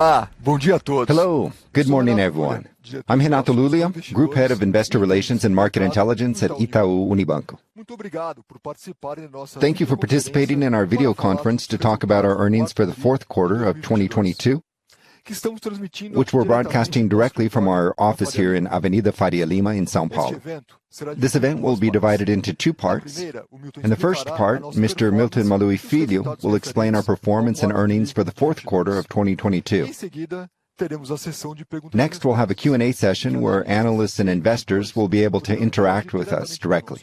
Hello. Good morning, everyone. I'm Renato Lulia, Group Head of Investor Relations and Market Intelligence at Itaú Unibanco. Thank you for participating in our video conference to talk about our earnings for the fourth quarter of 2022, which we're broadcasting directly from our office here in Avenida Faria Lima in São Paulo. This event will be divided into two parts. In the first part, Mr. Milton Maluhy Filho will explain our performance and earnings for the fourth quarter of 2022. Next, we'll have a Q&A session where analysts and investors will be able to interact with us directly.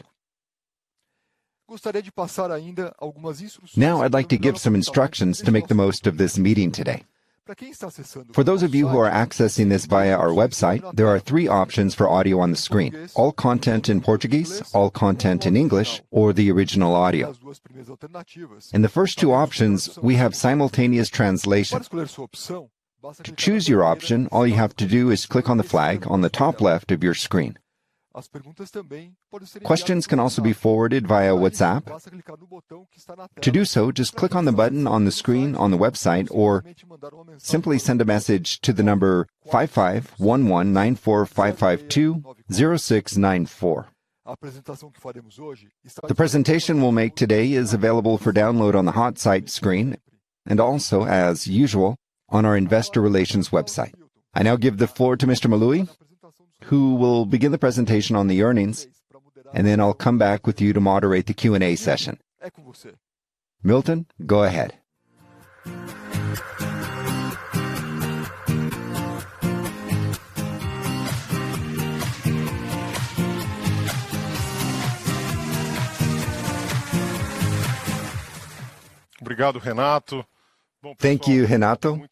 Now I'd like to give some instructions to make the most of this meeting today. For those of you who are accessing this via our website, there are three options for audio on the screen: all content in Portuguese, all content in English, or the original audio. In the first two options, we have simultaneous translation. To choose your option, all you have to do is click on the flag on the top left of your screen. Questions can also be forwarded via WhatsApp. To do so, just click on the button on the screen on the website or simply send a message to the number 5511945520694. The presentation we'll make today is available for download on the hot site screen, and also, as usual, on our investor relations website. I now give the floor to Mr. Maluhy, who will begin the presentation on the earnings, and then I'll come back with you to moderate the Q&A session. Milton, go ahead. Thank you, Renato.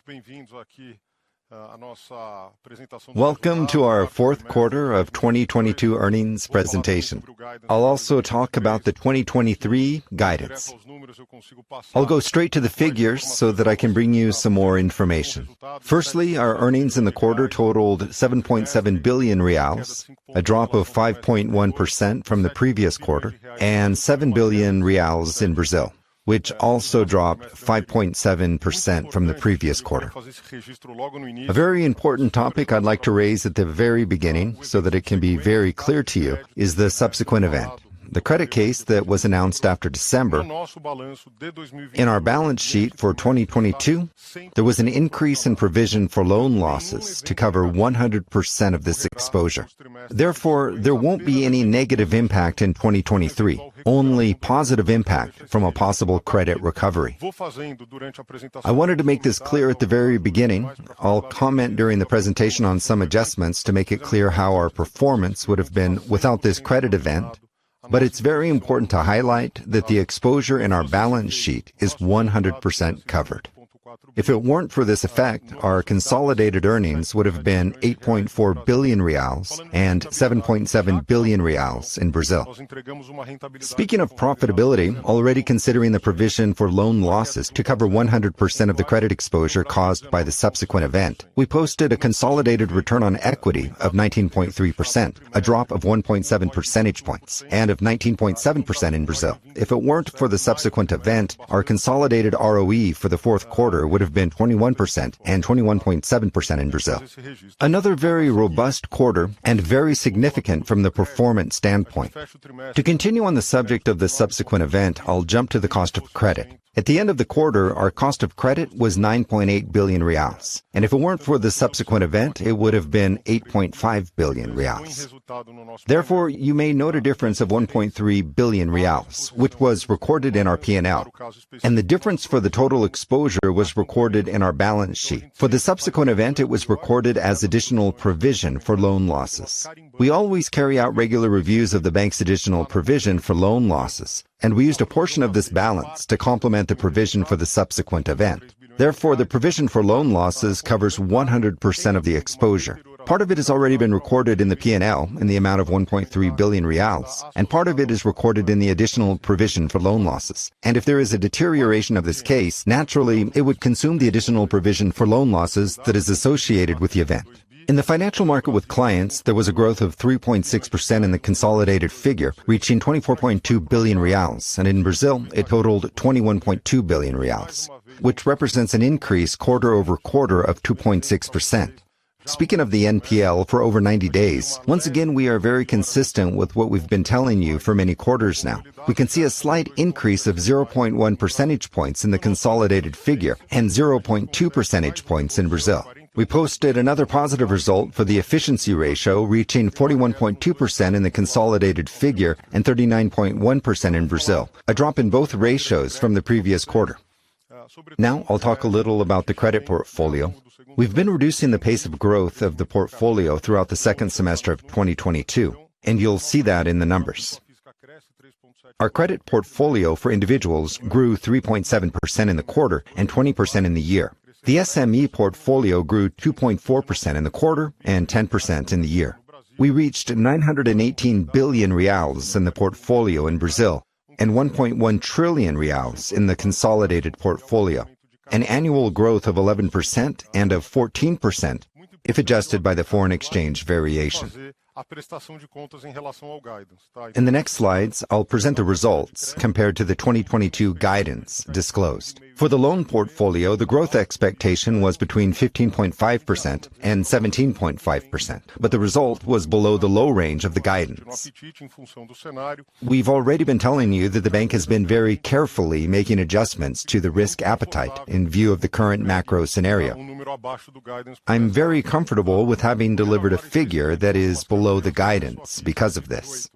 Welcome to our fourth quarter of 2022 earnings presentation. I'll also talk about the 2023 guidance. I'll go straight to the figures so that I can bring you some more information. Firstly, our earnings in the quarter totaled BRL 7.7 billion, a drop of 5.1% from the previous quarter, and BRL 7 billion in Brazil, which also dropped 5.7% from the previous quarter. A very important topic I'd like to raise at the very beginning so that it can be very clear to you is the subsequent event. The credit case that was announced after December, in our balance sheet for 2022, there was an increase in provision for loan losses to cover 100% of this exposure. Therefore, there won't be any negative impact in 2023, only positive impact from a possible credit recovery. I wanted to make this clear at the very beginning. I'll comment during the presentation on some adjustments to make it clear how our performance would have been without this credit event, but it's very important to highlight that the exposure in our balance sheet is 100% covered. If it weren't for this effect, our consolidated earnings would have been 8.4 billion reais and 7.7 billion reais in Brazil. Speaking of profitability, already considering the provision for loan losses to cover 100% of the credit exposure caused by the subsequent event, we posted a consolidated return on equity of 19.3%, a drop of 1.7 percentage points, and of 19.7% in Brazil. If it weren't for the subsequent event, our consolidated ROE for the fourth quarter would have been 21% and 21.7% in Brazil. Another very robust quarter and very significant from the performance standpoint. To continue on the subject of the subsequent event, I'll jump to the cost of credit. At the end of the quarter, our cost of credit was BRL 9.8 billion, and if it weren't for the subsequent event, it would have been BRL 8.5 billion. Therefore, you may note a difference of BRL 1.3 billion, which was recorded in our P&L. The difference for the total exposure was recorded in our balance sheet. For the subsequent event, it was recorded as additional provision for loan losses. We always carry out regular reviews of the bank's additional provision for loan losses, and we used a portion of this balance to complement the provision for the subsequent event. Therefore, the provision for loan losses covers 100% of the exposure. Part of it has already been recorded in the P&L in the amount of BRL 1.3 billion, and part of it is recorded in the additional provision for loan losses. If there is a deterioration of this case, naturally, it would consume the additional provision for loan losses that is associated with the event. In the financial market with clients, there was a growth of 3.6% in the consolidated figure, reaching 24.2 billion reais, and in Brazil it totaled 21.2 billion reais, which represents an increase quarter-over-quarter of 2.6%. Speaking of the NPL for over 90 days, once again, we are very consistent with what we've been telling you for many quarters now. We can see a slight increase of 0.1 percentage points in the consolidated figure and 0.2 percentage points in Brazil. We posted another positive result for the efficiency ratio, reaching 41.2% in the consolidated figure and 39.1% in Brazil, a drop in both ratios from the previous quarter. Now I'll talk a little about the credit portfolio. We've been reducing the pace of growth of the portfolio throughout the second semester of 2022, and you'll see that in the numbers. Our credit portfolio for individuals grew 3.7% in the quarter and 20% in the year. The SME portfolio grew 2.4% in the quarter and 10% in the year. We reached 918 billion reais in the portfolio in Brazil and 1.1 trillion reais in the consolidated portfolio, an annual growth of 11% and of 14% if adjusted by the foreign exchange variation. In the next slides, I'll present the results compared to the 2022 guidance disclosed. For the loan portfolio, the growth expectation was between 15.5% and 17.5%, but the result was below the low range of the guidance. We've already been telling you that the bank has been very carefully making adjustments to the risk appetite in view of the current macro scenario. I'm very comfortable with having delivered a figure that is below the guidance because of this.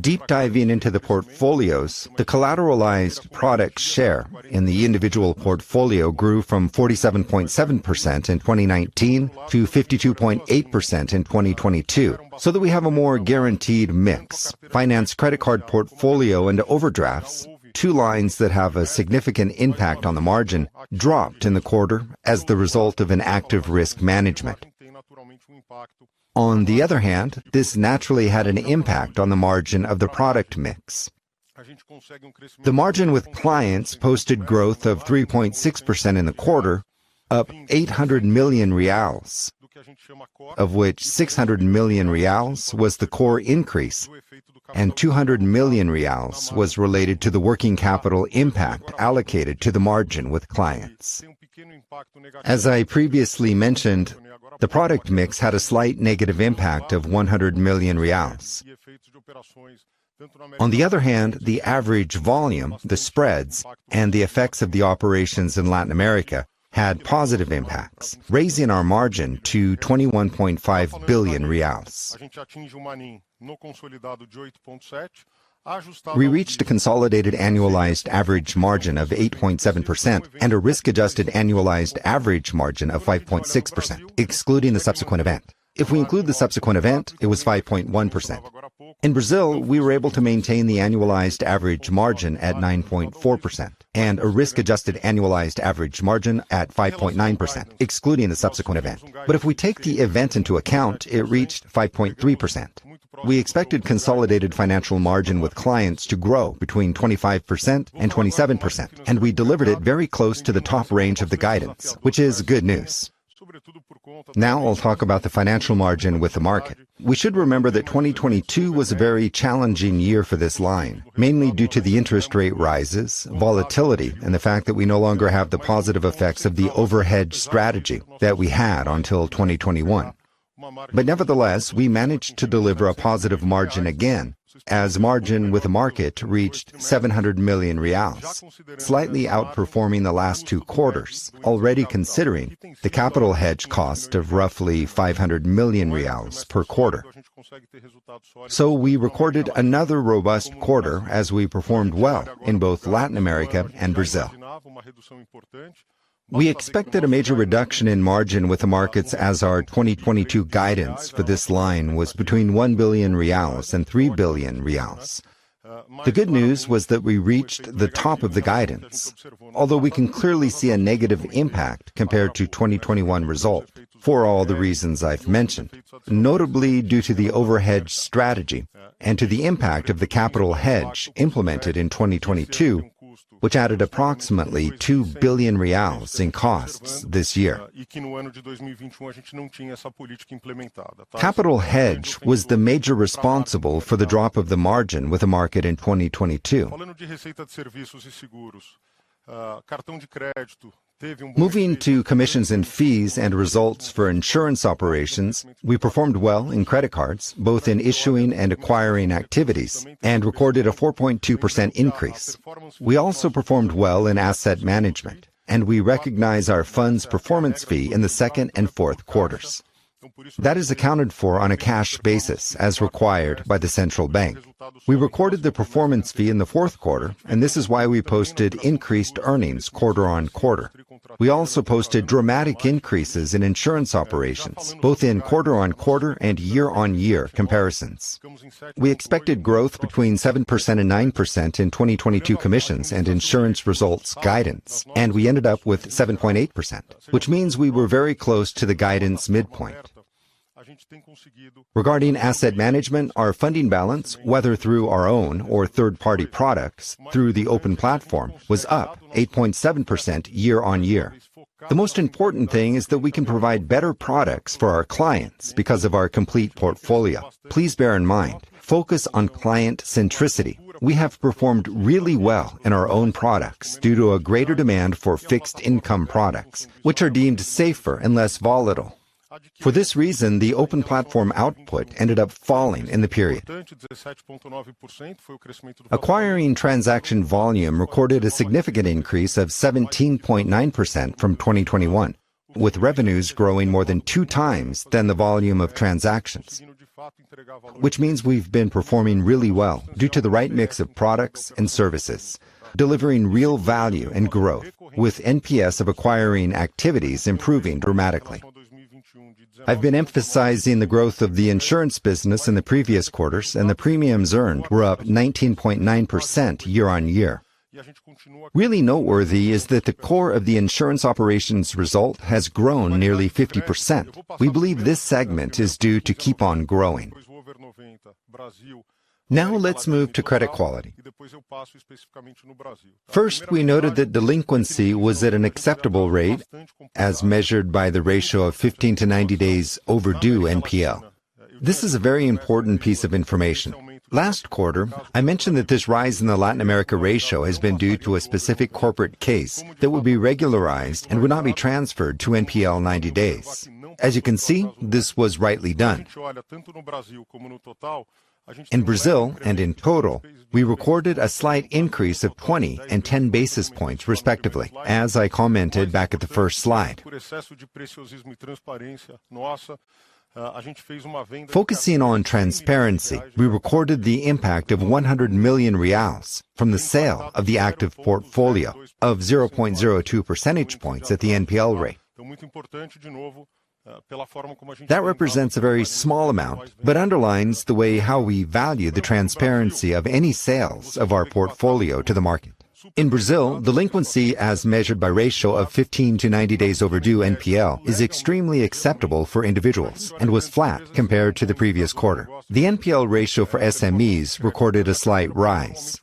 Deep diving into the portfolios, the collateralized product share in the individual portfolio grew from 47.7% in 2019 to 52.8% in 2022, that we have a more guaranteed mix. Finance credit card portfolio into overdrafts, two lines that have a significant impact on the margin dropped in the quarter as the result of an active risk management. This naturally had an impact on the margin of the product mix. The margin with clients posted growth of 3.6% in the quarter, up 800 million reais, of which 600 million reais was the core increase, and 200 million reais was related to the working capital impact allocated to the margin with clients. As I previously mentioned, the product mix had a slight negative impact of BRL 100 million. The average volume, the spreads, and the effects of the operations in Latin America had positive impacts, raising our margin to 21.5 billion reais. We reached a consolidated annualized average margin of 8.7% and a risk-adjusted annualized average margin of 5.6%, excluding the subsequent event. If we include the subsequent event, it was 5.1%. In Brazil, we were able to maintain the annualized average margin at 9.4% and a risk-adjusted annualized average margin at 5.9%, excluding the subsequent event. If we take the event into account, it reached 5.3%. We expected consolidated financial margin with clients to grow between 25% and 27%, we delivered it very close to the top range of the guidance, which is good news. I'll talk about the financial margin with the market. We should remember that 2022 was a very challenging year for this line, mainly due to the interest rate rises, volatility, and the fact that we no longer have the positive effects of the overhead strategy that we had until 2021. Nevertheless, we managed to deliver a positive margin again as margin with the market reached BRL 700 million, slightly outperforming the last two quarters, already considering the capital hedge cost of roughly 500 million reais per quarter. We recorded another robust quarter as we performed well in both Latin America and Brazil. We expected a major reduction in margin with the markets as our 2022 guidance for this line was between 1 billion reais and 3 billion reais. The good news was that we reached the top of the guidance, although we can clearly see a negative impact compared to 2021 result for all the reasons I've mentioned, notably due to the overhead strategy and to the impact of the capital hedge implemented in 2022, which added approximately 2 billion reais in costs this year. Capital hedge was the major responsible for the drop of the margin with the market in 2022. Moving to commissions and fees and results for insurance operations, we performed well in credit cards, both in issuing and acquiring activities, and recorded a 4.2% increase. We also performed well in asset management, and we recognize our fund's performance fee in the second and fourth quarters. That is accounted for on a cash basis as required by the Central Bank. We recorded the performance fee in the fourth quarter, this is why we posted increased earnings quarter-on-quarter. We also posted dramatic increases in insurance operations, both in quarter-on-quarter and year-on-year comparisons. We expected growth between 7% and 9% in 2022 commissions and insurance results guidance, We ended up with 7.8%, which means we were very close to the guidance midpoint. Regarding asset management, our funding balance, whether through our own or third-party products through the open platform, was up 8.7% year-on-year. The most important thing is that we can provide better products for our clients because of our complete portfolio. Please bear in mind, focus on client centricity. We have performed really well in our own products due to a greater demand for fixed income products, which are deemed safer and less volatile. For this reason, the open platform output ended up falling in the period. Acquiring transaction volume recorded a significant increase of 17.9% from 2021, with revenues growing more than 2x than the volume of transactions, which means we've been performing really well due to the right mix of products and services, delivering real value and growth with NPS of acquiring activities improving dramatically. I've been emphasizing the growth of the insurance business in the previous quarters, and the premiums earned were up 19.9% year-on-year. Really noteworthy is that the core of the insurance operations result has grown nearly 50%. We believe this segment is due to keep on growing. Let's move to credit quality. First, we noted that delinquency was at an acceptable rate as measured by the ratio of 15 to 90 days overdue NPL. This is a very important piece of information. Last quarter, I mentioned that this rise in the Latin America ratio has been due to a specific corporate case that will be regularized and will not be transferred to NPL 90 days. As you can see, this was rightly done. In Brazil and in total, we recorded a slight increase of 20 and 10 basis points respectively, as I commented back at the first slide. Focusing on transparency, we recorded the impact of 100 million reais from the sale of the active portfolio of 0.02 percentage points at the NPL rate. That represents a very small amount, but underlines the way how we value the transparency of any sales of our portfolio to the market. In Brazil, delinquency as measured by ratio of 15 to 90 days overdue NPL is extremely acceptable for individuals and was flat compared to the previous quarter. The NPL ratio for SMEs recorded a slight rise.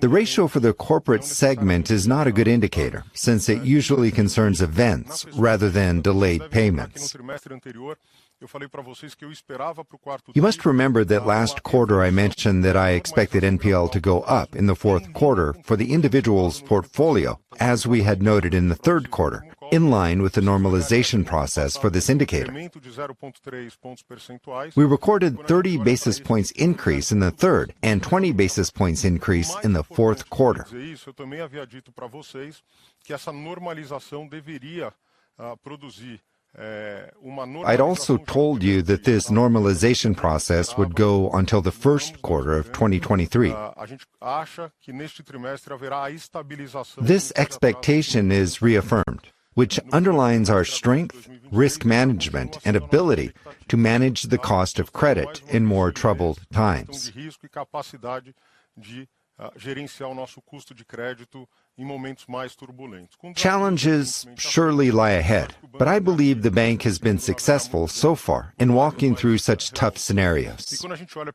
The ratio for the corporate segment is not a good indicator since it usually concerns events rather than delayed payments. You must remember that last quarter I mentioned that I expected NPL to go up in the fourth quarter for the individual's portfolio, as we had noted in the third quarter, in line with the normalization process for this indicator. We recorded 30 basis points increase in the third and 20 basis points increase in the fourth quarter. I'd also told you that this normalization process would go until the first quarter of 2023. This expectation is reaffirmed, which underlines our strength, risk management, and ability to manage the cost of credit in more troubled times. Challenges surely lie ahead, I believe the bank has been successful so far in walking through such tough scenarios. NPL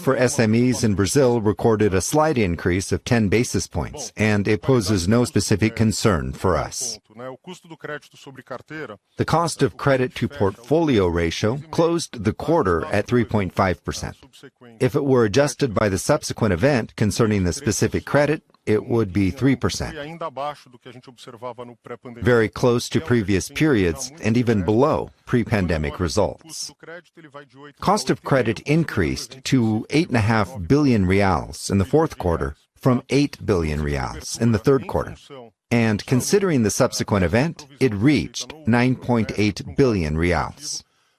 for SMEs in Brazil recorded a slight increase of 10 basis points, it poses no specific concern for us. The cost of credit to portfolio ratio closed the quarter at 3.5%. If it were adjusted by the subsequent event concerning the specific credit, it would be 3%. Very close to previous periods and even below pre-pandemic results. Cost of credit increased to BRL 8.5 billion in the fourth quarter from BRL 8 billion in the third quarter. Considering the subsequent event, it reached BRL 9.8 billion.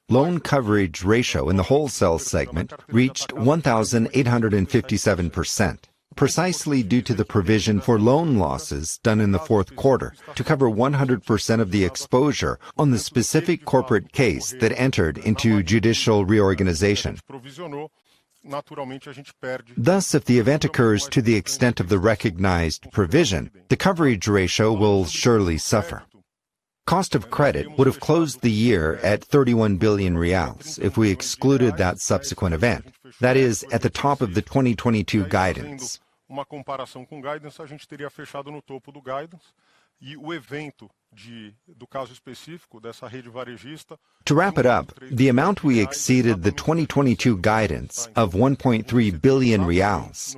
Loan coverage ratio in the wholesale segment reached 1,857%, precisely due to the provision for loan losses done in the fourth quarter to cover 100% of the exposure on the specific corporate case that entered into judicial reorganization. Thus, if the event occurs to the extent of the recognized provision, the coverage ratio will surely suffer. Cost of credit would have closed the year at BRL 31 billion if we excluded that subsequent event. That is at the top of the 2022 guidance. To wrap it up, the amount we exceeded the 2022 guidance of 1.3 billion reais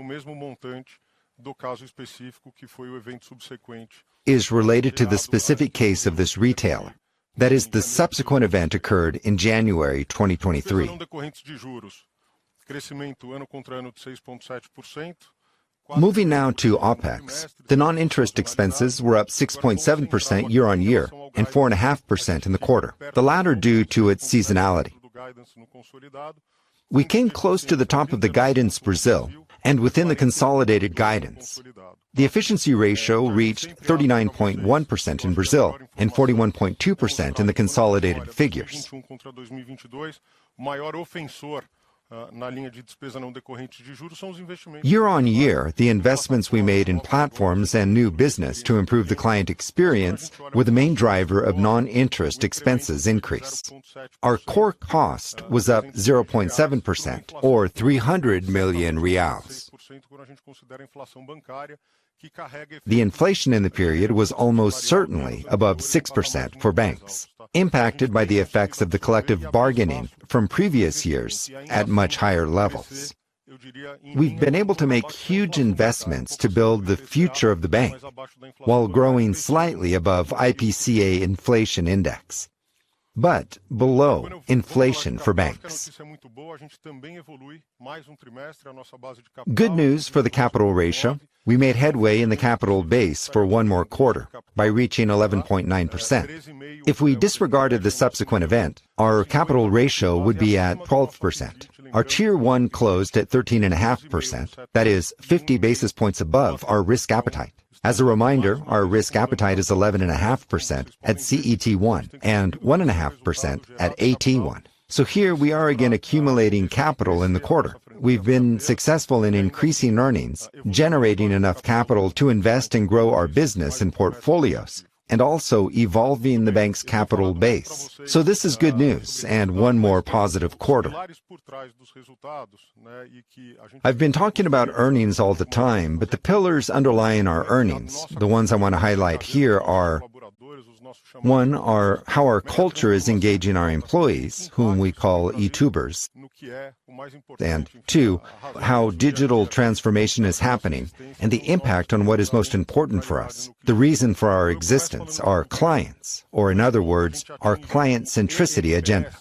is related to the specific case of this retail. That is the subsequent event occurred in January 2023. Moving now to OpEx, the non-interest expenses were up 6.7% year-on-year and 4.5% in the quarter, the latter due to its seasonality. We came close to the top of the guidance Brazil and within the consolidated guidance. The efficiency ratio reached 39.1% in Brazil and 41.2% in the consolidated figures. Year-on-year, the investments we made in platforms and new business to improve the client experience were the main driver of non-interest expenses increase. Our core cost was up 0.7% or BRL 300 million. The inflation in the period was almost certainly above 6% for banks, impacted by the effects of the collective bargaining from previous years at much higher levels. We've been able to make huge investments to build the future of the bank while growing slightly above IPCA inflation index, but below inflation for banks. Good news for the capital ratio. We made headway in the capital base for one more quarter by reaching 11.9%. If we disregarded the subsequent event, our capital ratio would be at 12%. Our Tier 1 closed at 13.5%. That is 50 basis points above our risk appetite. As a reminder, our risk appetite is 11.5% at CET1 and 1.5% at AT1. Here we are again accumulating capital in the quarter. We've been successful in increasing earnings, generating enough capital to invest and grow our business and portfolios, and also evolving the bank's capital base. This is good news and one more positive quarter. I've been talking about earnings all the time, but the pillars underlying our earnings, the ones I want to highlight here are one, our... how our culture is engaging our employees, whom we call Itubers. Two, how digital transformation is happening and the impact on what is most important for us, the reason for our existence, our clients, or in other words, our client centricity agenda.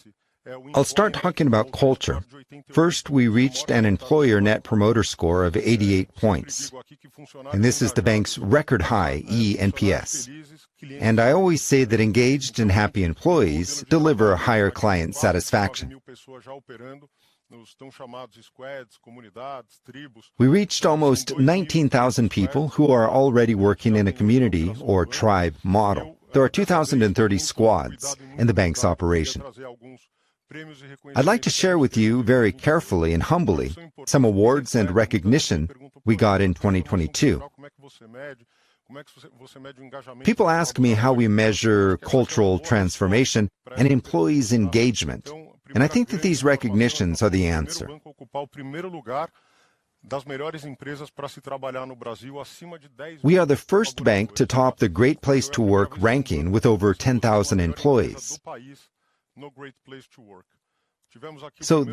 I'll start talking about culture. First, we reached an employer net promoter score of 88 points. This is the bank's record high eNPS. I always say that engaged and happy employees deliver a higher client satisfaction. We reached almost 19,000 people who are already working in a community or tribe model. There are 2,030 squads in the bank's operation. I'd like to share with you very carefully and humbly some awards and recognition we got in 2022. People ask me how we measure cultural transformation and employees' engagement, and I think that these recognitions are the answer. We are the first bank to top the Great Place To Work ranking with over 10,000 employees.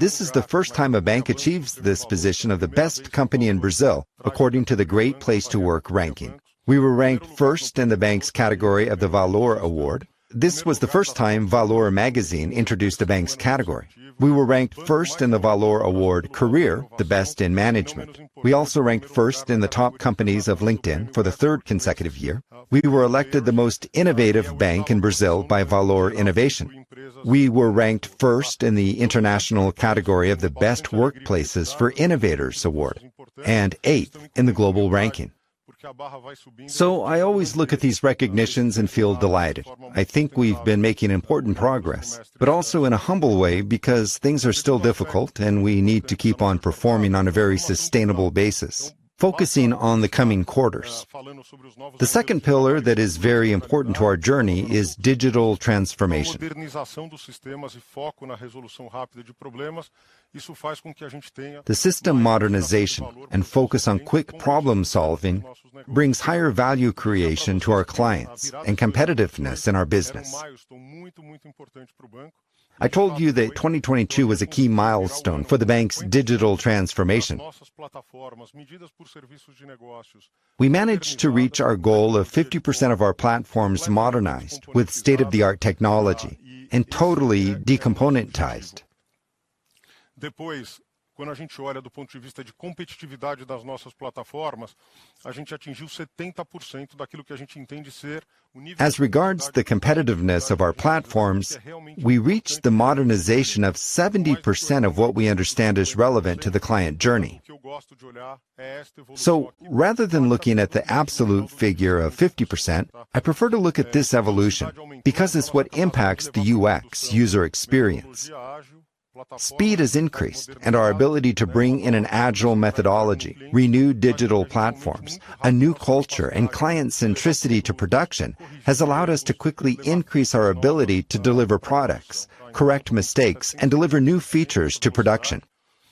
This is the first time a bank achieves this position of the best company in Brazil, according to the Great Place To Work ranking. We were ranked first in the bank's category of the Valor Award. This was the first time Valor magazine introduced the bank's category. We were ranked first in the Valor Award Carreira, the best in management. We also ranked first in the top companies of LinkedIn for the third consecutive year. We were elected the most innovative bank in Brazil by Valor Inovação Brasil. We were ranked 1st in the international category of the Best Workplaces for Innovators award, and 8th in the global ranking. I always look at these recognitions and feel delighted. I think we've been making important progress, but also in a humble way because things are still difficult, and we need to keep on performing on a very sustainable basis, focusing on the coming quarters. The second pillar that is very important to our journey is digital transformation. The system modernization and focus on quick problem-solving brings higher value creation to our clients and competitiveness in our business. I told you that 2022 was a key milestone for the bank's digital transformation. We managed to reach our goal of 50% of our platforms modernized with state-of-the-art technology and totally decomponentized. As regards the competitiveness of our platforms, we reached the modernization of 70% of what we understand is relevant to the client journey. Rather than looking at the absolute figure of 50%, I prefer to look at this evolution because it's what impacts the UX, user experience. Speed has increased and our ability to bring in an agile methodology, renewed digital platforms, a new culture, and client centricity to production has allowed us to quickly increase our ability to deliver products, correct mistakes, and deliver new features to production.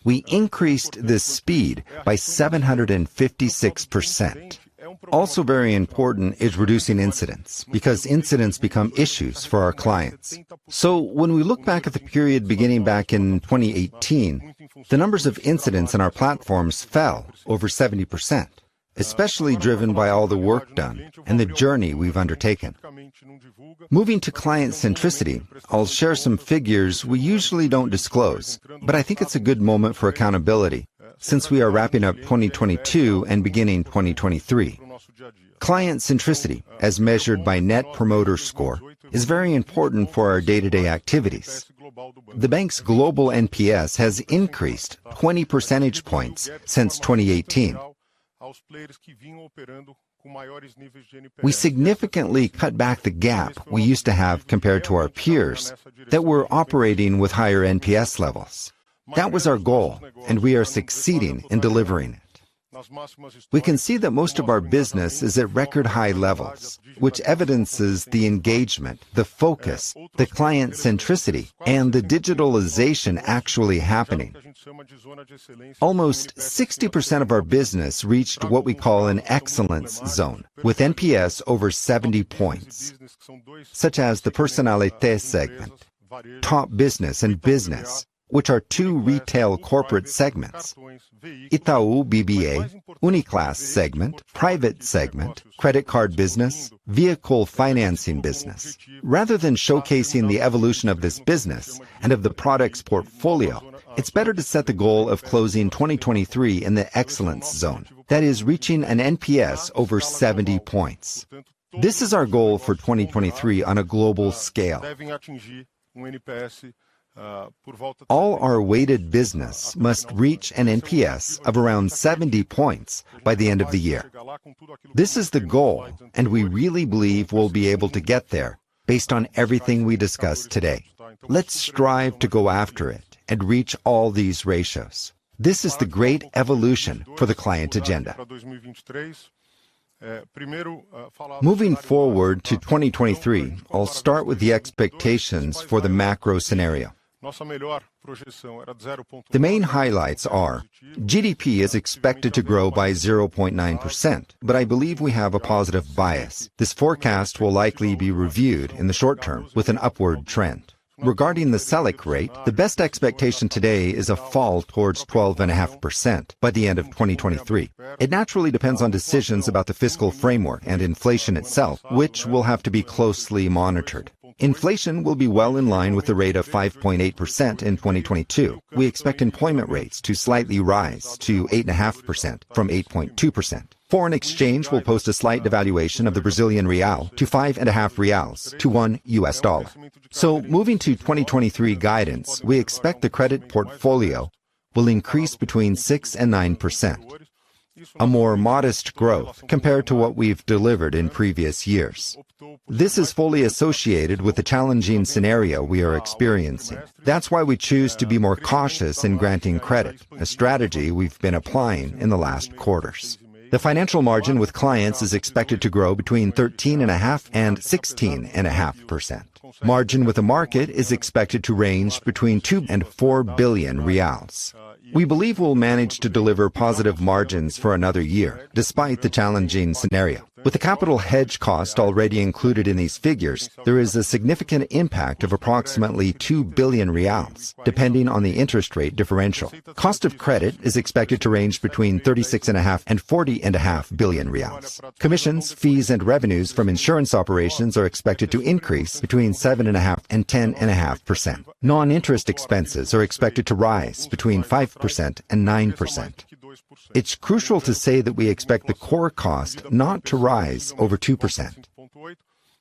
We increased this speed by 756%. Also very important is reducing incidents because incidents become issues for our clients. When we look back at the period beginning back in 2018, the numbers of incidents in our platforms fell over 70%, especially driven by all the work done and the journey we've undertaken. Moving to client centricity, I'll share some figures we usually don't disclose, but I think it's a good moment for accountability since we are wrapping up 2022 and beginning 2023. Client centricity, as measured by net promoter score, is very important for our day-to-day activities. The bank's global NPS has increased 20 percentage points since 2018. We significantly cut back the gap we used to have compared to our peers that were operating with higher NPS levels. That was our goal, and we are succeeding in delivering it. We can see that most of our business is at record high levels, which evidences the engagement, the focus, the client centricity, and the digitalization actually happening. Almost 60% of our business reached what we call an excellence zone with NPS over 70 points, such as the Personnalité segment, top business and business, which are two retail corporate segments, Itaú BBA, Uniclass segment, private segment, credit card business, vehicle financing business. Rather than showcasing the evolution of this business and of the products portfolio, it's better to set the goal of closing 2023 in the excellence zone. That is reaching an NPS over 70 points. This is our goal for 2023 on a global scale. All our weighted business must reach an NPS of around 70 points by the end of the year. This is the goal, we really believe we'll be able to get there based on everything we discussed today. Let's strive to go after it and reach all these ratios. This is the great evolution for the client agenda. Moving forward to 2023, I'll start with the expectations for the macro scenario. The main highlights are: GDP is expected to grow by 0.9%, I believe we have a positive bias. This forecast will likely be reviewed in the short term with an upward trend. Regarding the Selic rate, the best expectation today is a fall towards 12.5% by the end of 2023. It naturally depends on decisions about the fiscal framework and inflation itself, which will have to be closely monitored. Inflation will be well in line with the rate of 5.8% in 2022. We expect employment rates to slightly rise to 8.5% from 8.2%. Foreign exchange will post a slight devaluation of the Brazilian real to five and a half BRL to $1. Moving to 2023 guidance, we expect the credit portfolio will increase between 6%-9%. A more modest growth compared to what we've delivered in previous years. This is fully associated with the challenging scenario we are experiencing. That's why we choose to be more cautious in granting credit, a strategy we've been applying in the last quarters. The financial margin with clients is expected to grow between 13.5%-16.5%. Margin with the market is expected to range between BRL 2 billion-BRL 4 billion. We believe we'll manage to deliver positive margins for another year, despite the challenging scenario. With the capital hedge cost already included in these figures, there is a significant impact of approximately BRL 2 billion depending on the interest rate differential. Cost of credit is expected to range between 36.5 billion real and BRL 40.5 billion. Commissions, fees, and revenues from insurance operations are expected to increase between 7.5% and 10.5%. Non-interest expenses are expected to rise between 5% and 9%. It's crucial to say that we expect the core cost not to rise over 2%.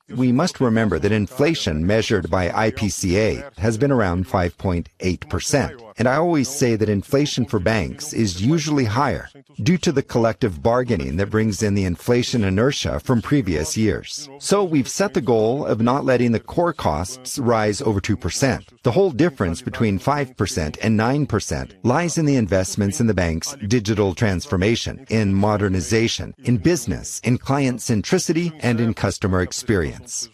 We must remember that inflation measured by IPCA has been around 5.8%, and I always say that inflation for banks is usually higher due to the collective bargaining that brings in the inflation inertia from previous years. We've set the goal of not letting the core costs rise over 2%. The whole difference between 5% and 9% lies in the investments in the bank's digital transformation, in modernization, in business, in client centricity, and in customer experience.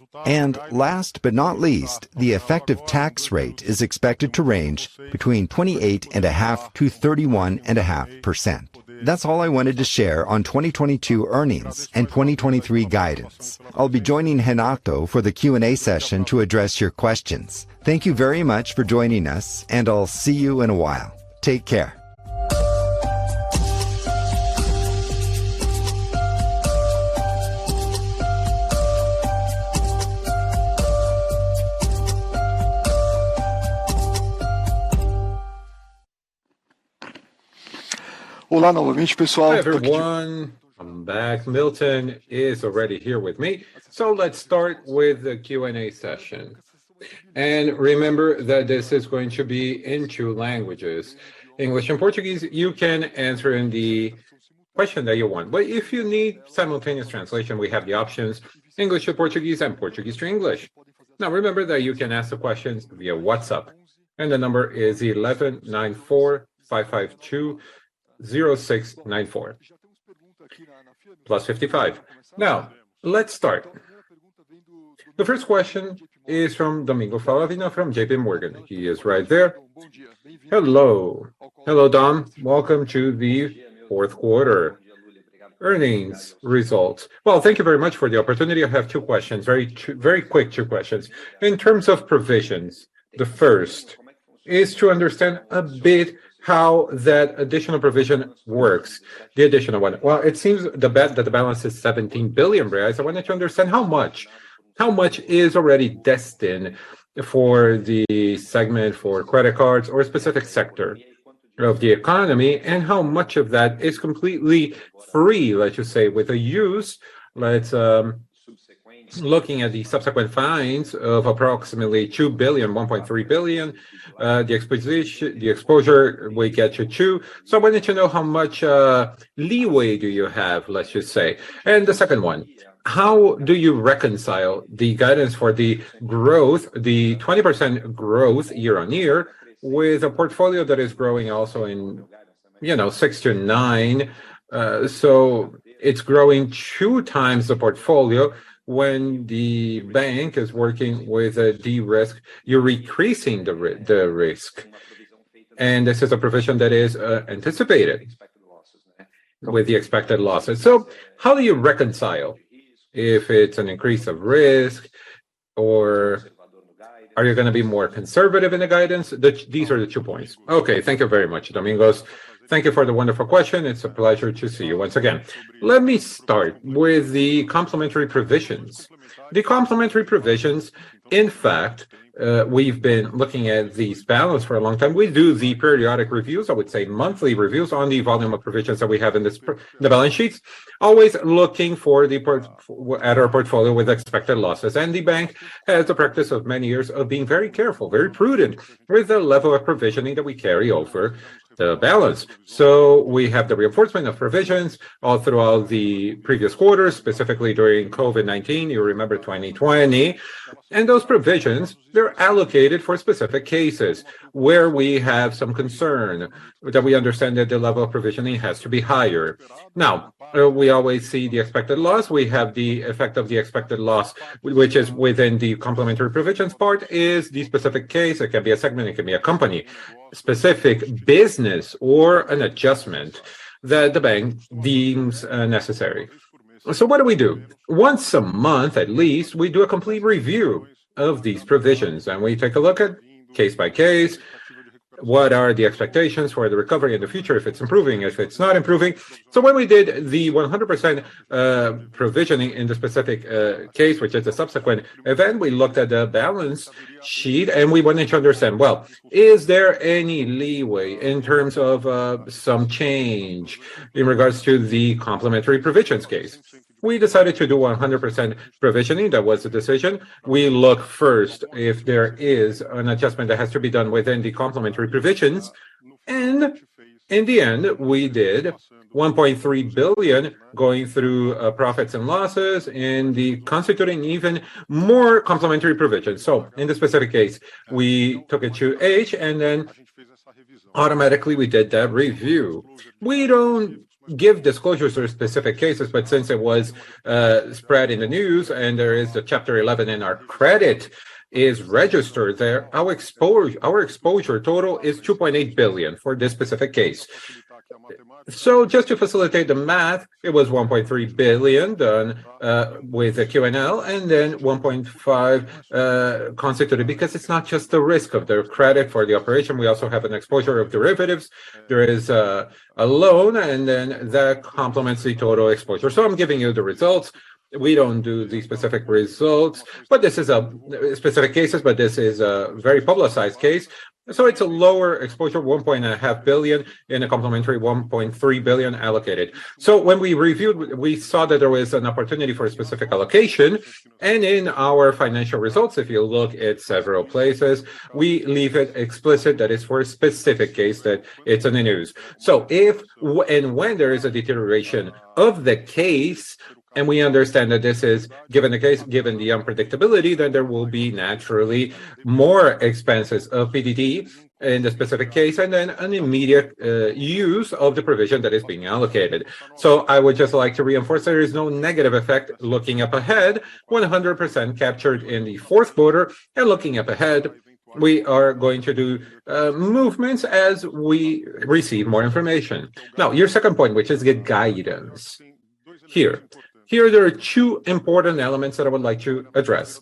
Last but not least, the effective tax rate is expected to range between 28.5%-31.5%. That's all I wanted to share on 2022 earnings and 2023 guidance. I'll be joining Renato for the Q&A session to address your questions. Thank you very much for joining us, and I'll see you in a while. Take care. Hi, everyone. I'm back. Milton is already here with me. Let's start with the Q&A session. Remember that this is going to be in two languages, English and Portuguese. You can answer in the question that you want. If you need simultaneous translation, we have the options English to Portuguese and Portuguese to English. Remember that you can ask the questions via WhatsApp, and the number is 11 94552 0694, +55. Let's start. The first question is from Domingos Falavina from J.P. Morgan. He is right there. Hello. Hello, Dom. Welcome to the fourth quarter earnings results. Well, thank you very much for the opportunity. I have two questions. Very quick two questions. In terms of provisions, the first is to understand a bit how that additional provision works, the additional one. Well, it seems that the balance is 17 billion reais. I wanted to understand how much, how much is already destined for the segment for credit cards or a specific sector of the economy, and how much of that is completely free, let's just say, with a use, let's looking at the subsequent fines of approximately 2 billion, 1.3 billion, the exposure we get to two? I wanted to know how much leeway do you have, let's just say? The second one, how do you reconcile the guidance for the growth, the 20% growth year-on-year with a portfolio that is growing also in, you know, six-nine? It's growing 2x the portfolio when the bank is working with a de-risk, you're increasing the risk. This is a provision that is expected losses with the expected losses. How do you reconcile if it's an increase of risk or are you gonna be more conservative in the guidance? These are the two points. Okay. Thank you very much, Domingos. Thank you for the wonderful question. It's a pleasure to see you once again. Let me start with the complementary provisions. The complementary provisions, in fact, we've been looking at this balance for a long time. We do the periodic reviews, I would say monthly reviews, on the volume of provisions that we have in this the balance sheets, always looking at our portfolio with expected losses. The bank has a practice of many years of being very careful, very prudent with the level of provisioning that we carry over the balance. We have the reinforcement of provisions all throughout the previous quarters, specifically during COVID-19. You remember 2020. Those provisions, they're allocated for specific cases where we have some concern that we understand that the level of provisioning has to be higher. We always see the expected loss. We have the effect of the expected loss, which is within the complementary provisions part is the specific case. It can be a segment, it can be a company specific business or an adjustment that the bank deems necessary. What do we do? Once a month at least, we do a complete review of these provisions, and we take a look at case by case, what are the expectations for the recovery in the future, if it's improving, if it's not improving. When we did the 100% provisioning in the specific case, which is a subsequent event, we looked at the balance sheet and we wanted to understand, well, is there any leeway in terms of some change in regards to the complementary provisions case. We decided to do 100% provisioning. That was the decision. We look first if there is an adjustment that has to be done within the complementary provisions, and in the end, we did 1.3 billion going through P&L and the constituting even more complementary provisions. In this specific case, we took it to H and then automatically we did that review. We don't give disclosures for specific cases, but since it was spread in the news and there is a Chapter 11 and our credit is registered there, our exposure total is 2.8 billion for this specific case. Just to facilitate the math, it was 1.3 billion done with the P&L and then 1.5 billion constituted because it's not just the risk of their credit for the operation. We also have an exposure of derivatives. There is a loan and then that complements the total exposure. I'm giving you the results. We don't do the specific results, but this is a specific cases. This is a very publicized case. It's a lower exposure, 1.5 billion in a complementary 1.3 billion allocated. When we reviewed, we saw that there was an opportunity for a specific allocation. In our financial results, if you look at several places, we leave it explicit that it's for a specific case, that it's in the news. If and when there is a deterioration of the case, and we understand that this is given the case, given the unpredictability, then there will be naturally more expenses of PDD in the specific case and then an immediate use of the provision that is being allocated. I would just like to reinforce there is no negative effect looking up ahead 100% captured in the fourth quarter and looking up ahead, we are going to do movements as we receive more information. Your second point, which is the guidance. Here, there are two important elements that I would like to address.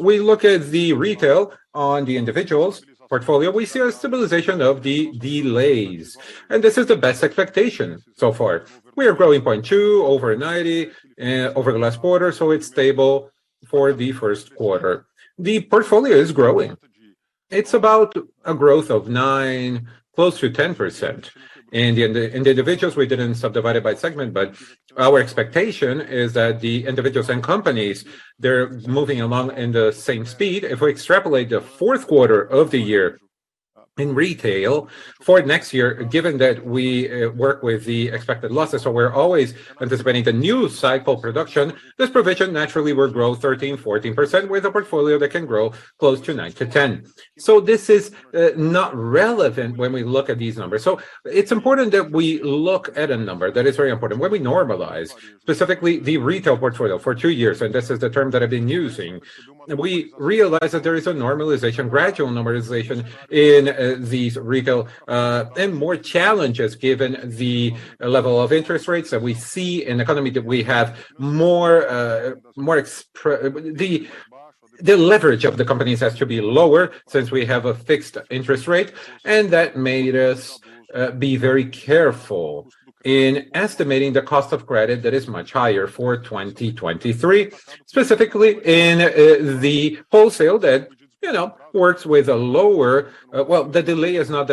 We look at the retail on the individuals portfolio. We see a stabilization of the delays and this is the best expectation so far. We are growing 0.2 over 90 over the last quarter, it's stable for the first quarter. The portfolio is growing. It's about a growth of nine, close to 10%. In the individuals, we didn't subdivide it by segment, our expectation is that the individuals and companies, they're moving along in the same speed. If we extrapolate the fourth quarter of the year in retail for next year, given that we work with the expected losses, we're always anticipating the new cycle production, this provision naturally will grow 13%-14% with a portfolio that can grow close to nine-10. This is not relevant when we look at these numbers. It's important that we look at a number. That is very important. When we normalize specifically the retail portfolio for two years, and this is the term that I've been using, we realize that there is a normalization, gradual normalization in these retail, and more challenges given the level of interest rates that we see in economy. The leverage of the companies has to be lower since we have a fixed interest rate. That made us be very careful in estimating the cost of credit that is much higher for 2023, specifically in the wholesale that, you know, works with a lower... Well, the delay is not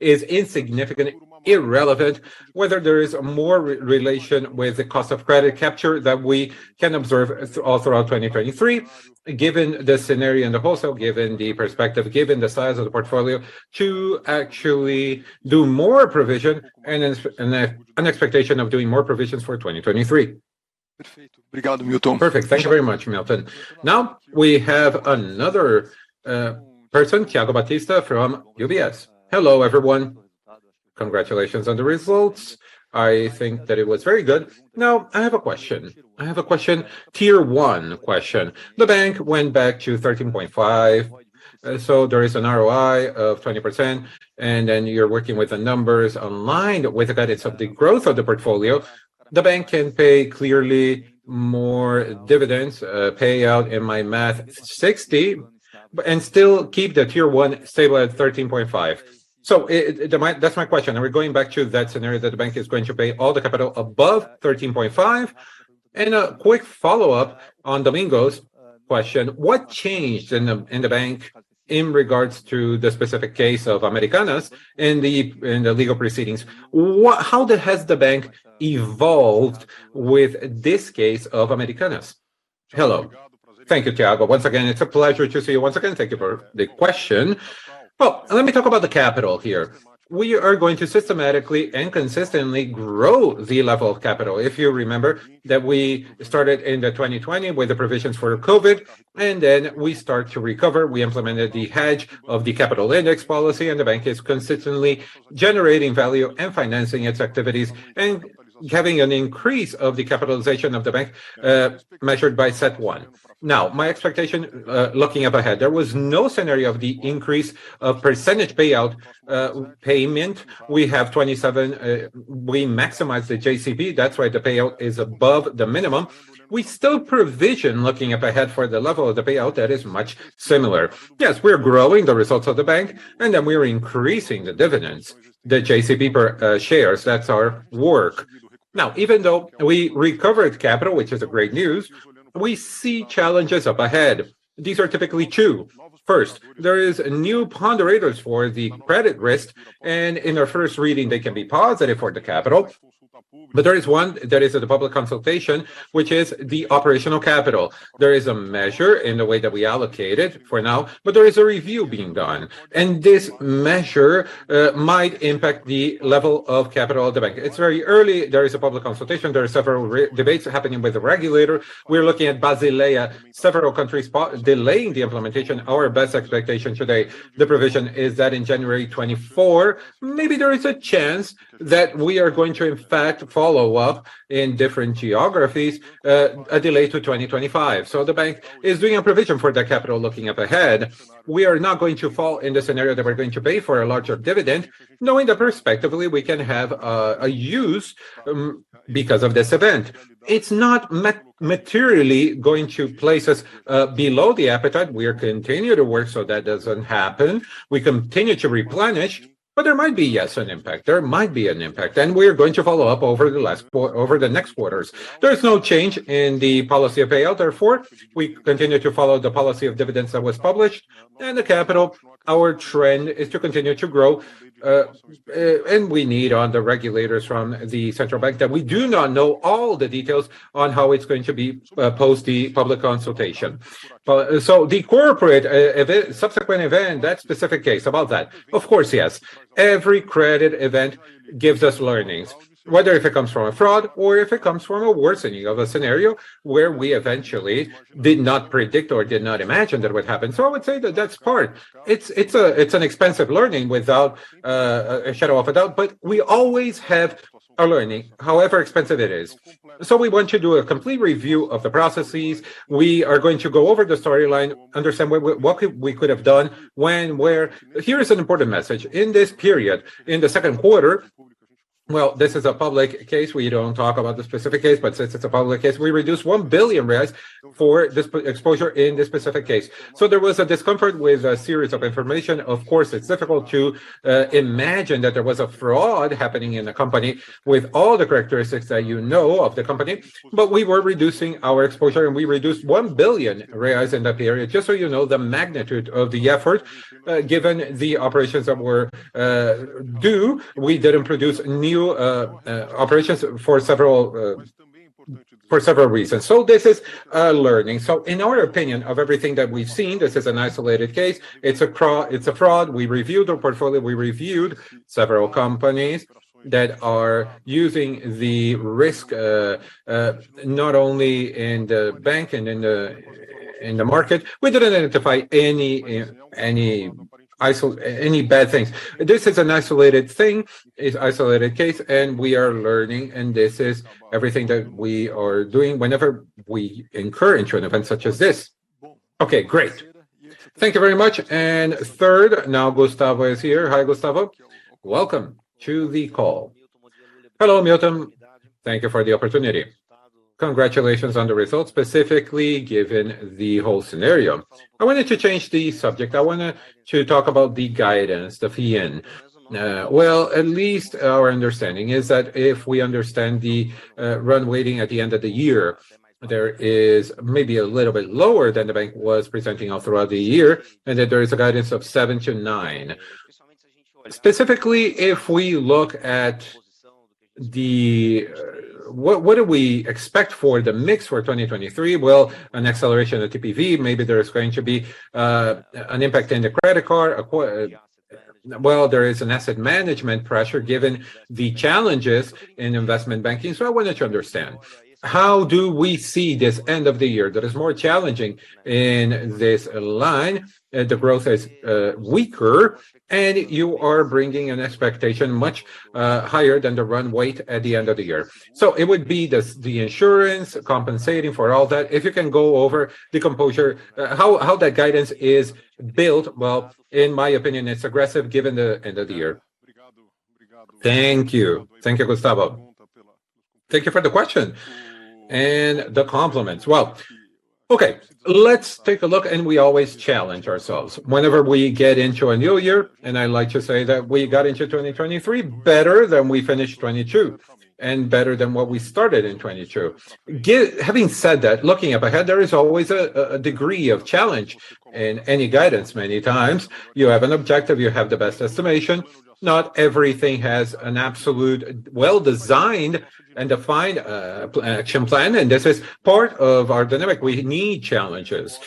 is insignificant, irrelevant, whether there is more relation with the cost of credit capture that we can observe all throughout 2023, given the scenario in the wholesale, given the perspective, given the size of the portfolio to actually do more provision and an expectation of doing more provisions for 2023. Perfect. Perfect. Thank you very much, Milton. We have another person, Thiago Batista from UBS. Hello, everyone. Congratulations on the results. I think that it was very good. I have a question. Tier 1 question. The bank went back to 13.5, so there is an ROI of 20%, and then you're working with the numbers aligned with the guidance of the growth of the portfolio. The bank can pay clearly more dividends, payout in my math 60 and still keep the Tier 1 stable at 13.5. That's my question. Are we going back to that scenario that the bank is going to pay all the capital above 13.5? A quick follow-up on Domingos's question, what changed in the, in the bank in regards to the specific case of Americanas in the, in the legal proceedings? How has the bank evolved with this case of Americanas? Hello. Thank you, Thiago. Once again, it's a pleasure to see you once again. Thank you for the question. Well, let me talk about the capital here. We are going to systematically and consistently grow the level of capital. If you remember that we started in 2020 with the provisions for COVID-19, and then we start to recover. We implemented the hedge of the capital index policy, and the bank is consistently generating value and financing its activities and having an increase of the capitalization of the bank, measured by CET1. My expectation, looking up ahead, there was no scenario of the increase of percentage payout payment. We have 27. We maximize the JCP. That's why the payout is above the minimum. We still provision looking up ahead for the level of the payout that is much similar. We're growing the results of the bank, then we're increasing the dividends, the JCP shares. That's our work. Even though we recovered capital, which is a great news, we see challenges up ahead. These are typically two. There is new ponderators for the credit risk, in our first reading, they can be positive for the capital. There is one that is at the public consultation, which is the operational capital. There is a measure in the way that we allocate it for now, but there is a review being done, and this measure might impact the level of capital of the bank. It's very early. There is a public consultation. There are several debates happening with the regulator. We're looking at Basel, several countries delaying the implementation. Our best expectation today, the provision is that in January 2024, maybe there is a chance that we are going to, in fact, follow up in different geographies, a delay to 2025. The bank is doing a provision for that capital looking up ahead. We are not going to fall in the scenario that we're going to pay for a larger dividend, knowing that perspectively, we can have a use because of this event. It's not materially going to place us below the appetite. We'll continue to work, so that doesn't happen. We continue to replenish, but there might be, yes, an impact. There might be an impact, and we are going to follow up over the next quarters. There is no change in the policy of payout. Therefore, we continue to follow the policy of dividends that was published. The capital, our trend is to continue to grow, and we need on the regulators from the Central Bank that we do not know all the details on how it's going to be post the public consultation. The corporate subsequent event, that specific case, about that, of course, yes. Every credit event gives us learnings, whether if it comes from a fraud or if it comes from a worsening of a scenario where we eventually did not predict or did not imagine that would happen. I would say that that's part. It's, it's a, it's an expensive learning without a shadow of a doubt, but we always have a learning, however expensive it is. We want to do a complete review of the processes. We are going to go over the storyline, understand what we could have done when, where. Here is an important message. In this period, in the second quarter, well, this is a public case. We don't talk about the specific case, but since it's a public case, we reduced 1 billion reais for this exposure in this specific case. There was a discomfort with a series of information. Of course, it's difficult to imagine that there was a fraud happening in a company with all the characteristics that you know of the company. We were reducing our exposure, and we reduced 1 billion in that period. Just so you know the magnitude of the effort, given the operations that were due. We didn't produce new operations for several, for several reasons. This is a learning. In our opinion, of everything that we've seen, this is an isolated case. It's a fraud. We reviewed our portfolio. We reviewed several companies that are using the risk, not only in the bank and in the market. We didn't identify any bad things. This is an isolated thing. It's isolated case, we are learning, and this is everything that we are doing whenever we incur into an event such as this. Okay, great. Thank you very much. Third, now Gustavo is here. Hi, Gustavo. Welcome to the call. Hello, Milton. Thank you for the opportunity. Congratulations on the results, specifically given the whole scenario. I wanted to change the subject. I wanna talk about the guidance, the PN. Well, at least our understanding is that if we understand the run weighting at the end of the year, there is maybe a little bit lower than the bank was presenting all throughout the year, and that there is a guidance of 7%-9%. Specifically, if we look at the... What do we expect for the mix for 2023? An acceleration of TPV, maybe there is going to be an impact in the credit card. There is an asset management pressure given the challenges in investment banking. I wanted to understand, how do we see this end of the year that is more challenging in this line? The growth is weaker, and you are bringing an expectation much higher than the run weight at the end of the year. It would be the insurance compensating for all that. If you can go over the composure, how that guidance is built. In my opinion, it's aggressive given the end of the year. Thank you. Thank you, Gustavo. Thank you for the question and the compliments. Okay. Let's take a look, and we always challenge ourselves. Whenever we get into a new year, I like to say that we got into 2023 better than we finished 22 and better than what we started in 22. Having said that, looking ahead, there is always a degree of challenge in any guidance. Many times you have an objective, you have the best estimation. Not everything has an absolute well-designed and defined action plan. This is part of our dynamic. We need challenges.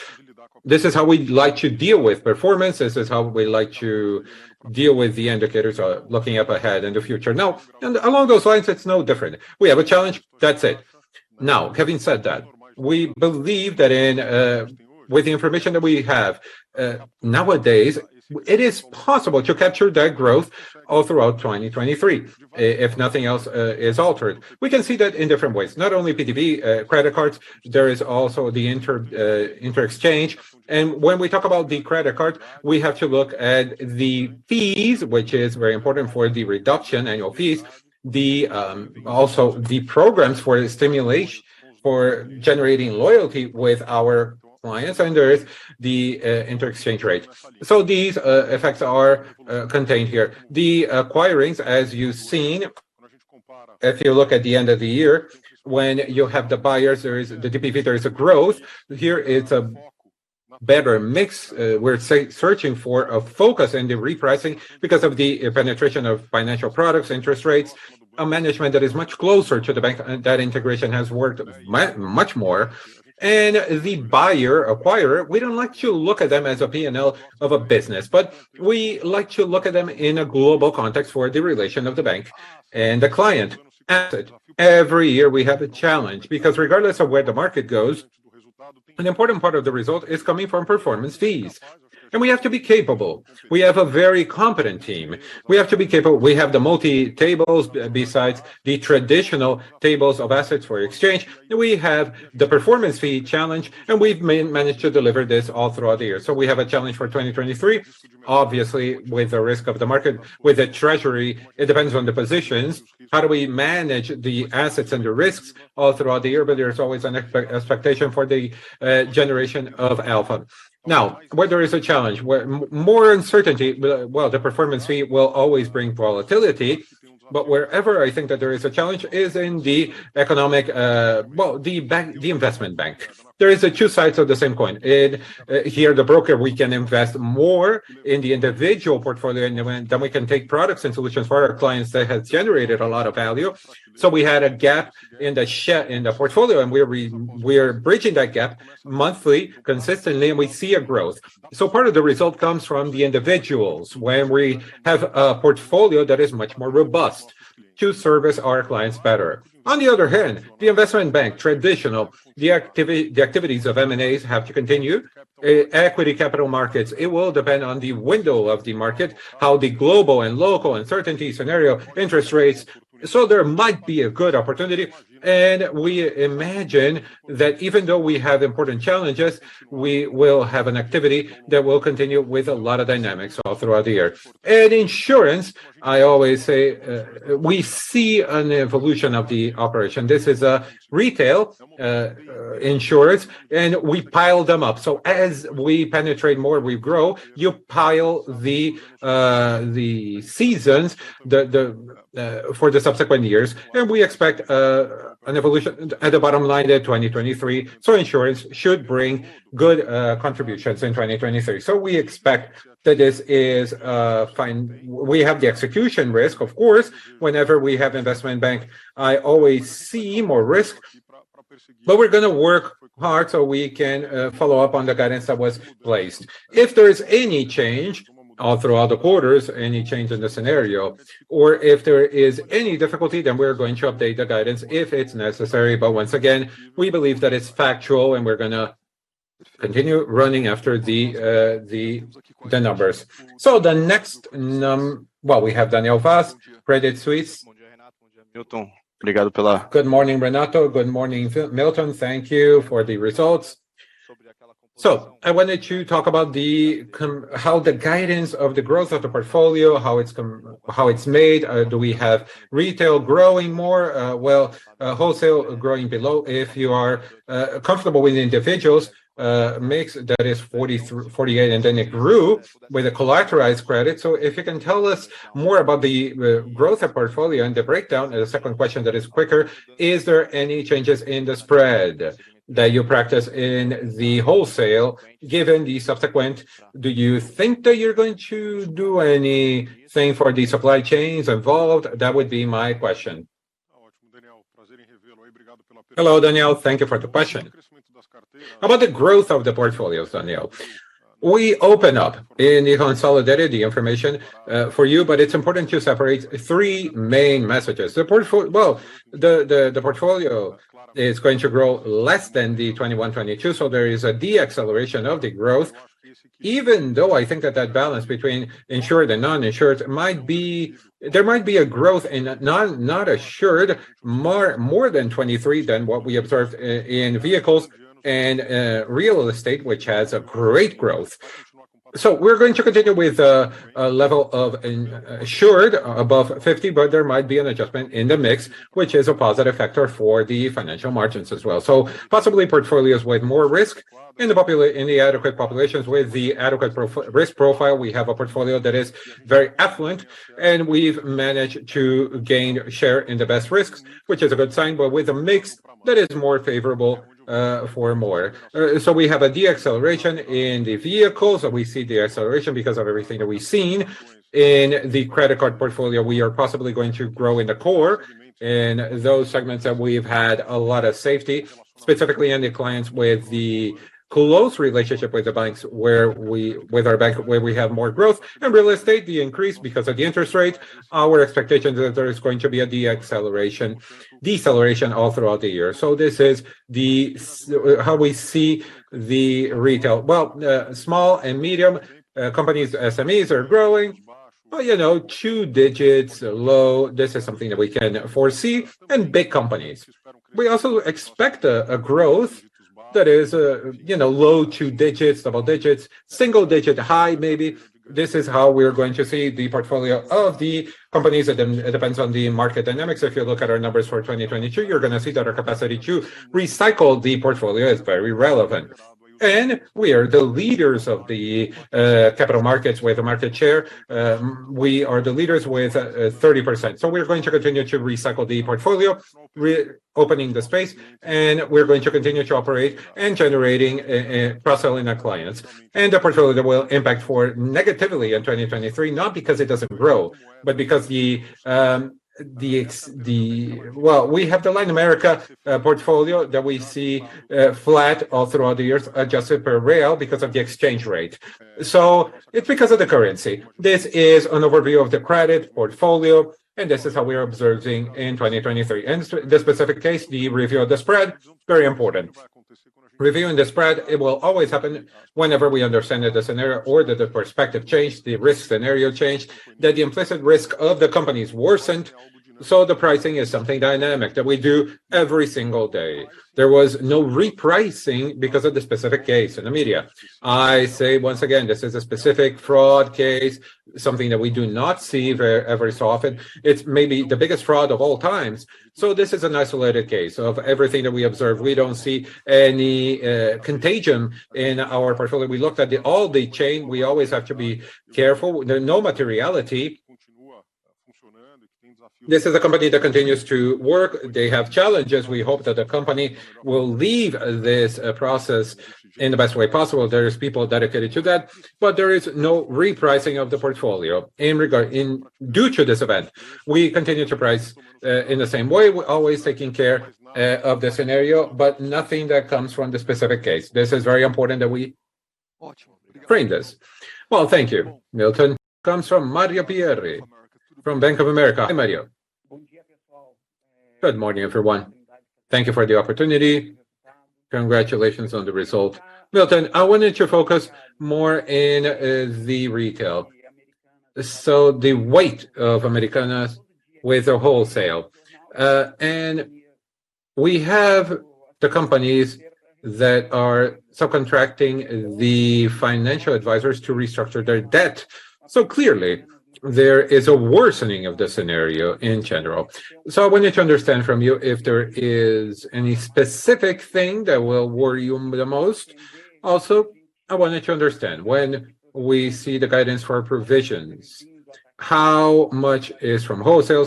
This is how we like to deal with performance, this is how we like to deal with the indicators, looking up ahead in the future. Along those lines, it's no different. We have a challenge, that's it. Now, having said that, we believe that in with the information that we have nowadays it is possible to capture that growth all throughout 2023, if nothing else is altered. We can see that in different ways, not only PDV, credit cards, there is also the interexchange. When we talk about the credit card, we have to look at the fees, which is very important for the reduction, annual fees. Also the programs for the stimulation for generating loyalty with our clients and there is the interexchange rate. These effects are contained here. The acquirings, as you've seen, if you look at the end of the year when you have the buyers, there is. The TPV, there is a growth. Here it's a better mix. We're searching for a focus in the repricing because of the penetration of financial products, interest rates, a management that is much closer to the bank. That integration has worked much more. The buyer, acquirer, we don't like to look at them as a P&L of a business, but we like to look at them in a global context for the relation of the bank and the client. Every year we have a challenge because regardless of where the market goes, an important part of the result is coming from performance fees. We have to be capable. We have a very competent team. We have to be capable. We have the multi tables besides the traditional tables of assets for exchange. We have the performance fee challenge, and we've managed to deliver this all throughout the year. We have a challenge for 2023, obviously, with the risk of the market. With the treasury, it depends on the positions. How do we manage the assets and the risks all throughout the year? There's always an expectation for the generation of alpha. Now, where there is a challenge, where more uncertainty, well, the performance fee will always bring volatility. Wherever I think that there is a challenge is in the economic, well, the bank, the investment bank. There is a two sides of the same coin. In, here, the broker, we can invest more in the individual portfolio and then we can take products and solutions for our clients that has generated a lot of value. We had a gap in the portfolio, and we're bridging that gap monthly, consistently, and we see a growth. Part of the result comes from the individuals when we have a portfolio that is much more robust to service our clients better. On the other hand, the investment bank, traditional, the activities of M&As have to continue. Equity capital markets, it will depend on the window of the market, how the global and local uncertainty scenario, interest rates. There might be a good opportunity, and we imagine that even though we have important challenges, we will have an activity that will continue with a lot of dynamics all throughout the year. Insurance, I always say, we see an evolution of the operation. This is a retail insurance, and we pile them up. As we penetrate more, we grow. You pile the seasons, the, the, for the subsequent years, and we expect an evolution at the bottom line in 2023. Insurance should bring good contributions in 2023. We expect that this is fine. We have the execution risk, of course. Whenever we have investment bank, I always see more risks. We're gonna work hard so we can follow up on the guidance that was placed. If there is any change all throughout the quarters, any change in the scenario, or if there is any difficulty, then we're going to update the guidance if it's necessary. Once again, we believe that it's factual and we're gonna continue running after the, the numbers. We have Daniel Vaz, Credit Suisse. Good morning, Renato. Good morning, Milton. Thank you for the results. I wanted to talk about the how the guidance of the growth of the portfolio, how it's how it's made. Do we have retail growing more? Well, wholesale growing below. If you are comfortable with individuals, mix that is 48 and then it grew with the collectorized credit. If you can tell us more about the growth of portfolio and the breakdown. The second question that is quicker, is there any changes in the spread that you practice in the wholesale given the subsequent? Do you think that you're going to do anything for the supply chains involved? That would be my question. Hello, Daniel. Thank you for the question. About the growth of the portfolios, Daniel. We open up in consolidated the information for you, but it's important to separate three main messages. Well, the portfolio is going to grow less than the 2021, 2022, so there is a deceleration of the growth. Even though I think that balance between insured and non-insured might be, there might be a growth in non, not assured, more than 2023 than what we observed in vehicles and real estate, which has a great growth. We're going to continue with a level of insured above 50, but there might be an adjustment in the mix, which is a positive factor for the financial margins as well. Possibly portfolios with more risk in the adequate populations. With the adequate pro-risk profile, we have a portfolio that is very affluent, and we've managed to gain share in the best risks, which is a good sign, but with a mix that is more favorable for more. We have a deceleration in the vehicles. We see deceleration because of everything that we've seen. In the credit card portfolio, we are possibly going to grow in the core in those segments that we've had a lot of safety, specifically in the clients with the close relationship with the banks with our bank, where we have more growth. In real estate, the increase because of the interest rates, our expectation that there is going to be a deceleration all throughout the year. This is how we see the retail. Well, small and medium companies, SMEs are growing. You know, two digits low, this is something that we can foresee in big companies. We also expect a growth that is, you know, low two digits, double digits, single digit high maybe. This is how we're going to see the portfolio of the companies. It depends on the market dynamics. If you look at our numbers for 2022, you're gonna see that our capacity to recycle the portfolio is very relevant. We are the leaders of the capital markets with the market share. We are the leaders with 30%, we're going to continue to recycle the portfolio, re-opening the space, we're going to continue to operate and generating Brazil in our clients. The portfolio that will impact for negatively in 2023, not because it doesn't grow, but because the... Well, we have the Latin America portfolio that we see flat all throughout the years, adjusted per BRL because of the exchange rate. It's because of the currency. This is an overview of the credit portfolio, and this is how we are observing in 2023. This specific case, the review of the spread, very important. Reviewing the spread, it will always happen whenever we understand that the scenario or that the perspective change, the risk scenario change, that the implicit risk of the companies worsened. The pricing is something dynamic that we do every single day. There was no repricing because of the specific case in the media. I say, once again, this is a specific fraud case, something that we do not see every so often. It's maybe the biggest fraud of all times. This is an isolated case of everything that we observe. We don't see any contagion in our portfolio. We looked at all the chain. We always have to be careful. There are no materiality. This is a company that continues to work. They have challenges. We hope that the company will leave this process in the best way possible. There is people dedicated to that, but there is no repricing of the portfolio due to this event. We continue to price in the same way. We're always taking care of the scenario, but nothing that comes from the specific case. This is very important that we frame this. Well, thank you, Milton. Comes from Mario Pierry from Bank of America. Hi, Mario. Good morning, everyone. Thank you for the opportunity. Congratulations on the result. Milton, I wanted to focus more in the retail. The weight of Americanas with the wholesale. We have the companies that are subcontracting the financial advisors to restructure their debt. Clearly, there is a worsening of the scenario in general. I wanted to understand from you if there is any specific thing that will worry you the most. Also, I wanted to understand when we see the guidance for our provisions, how much is from wholesale,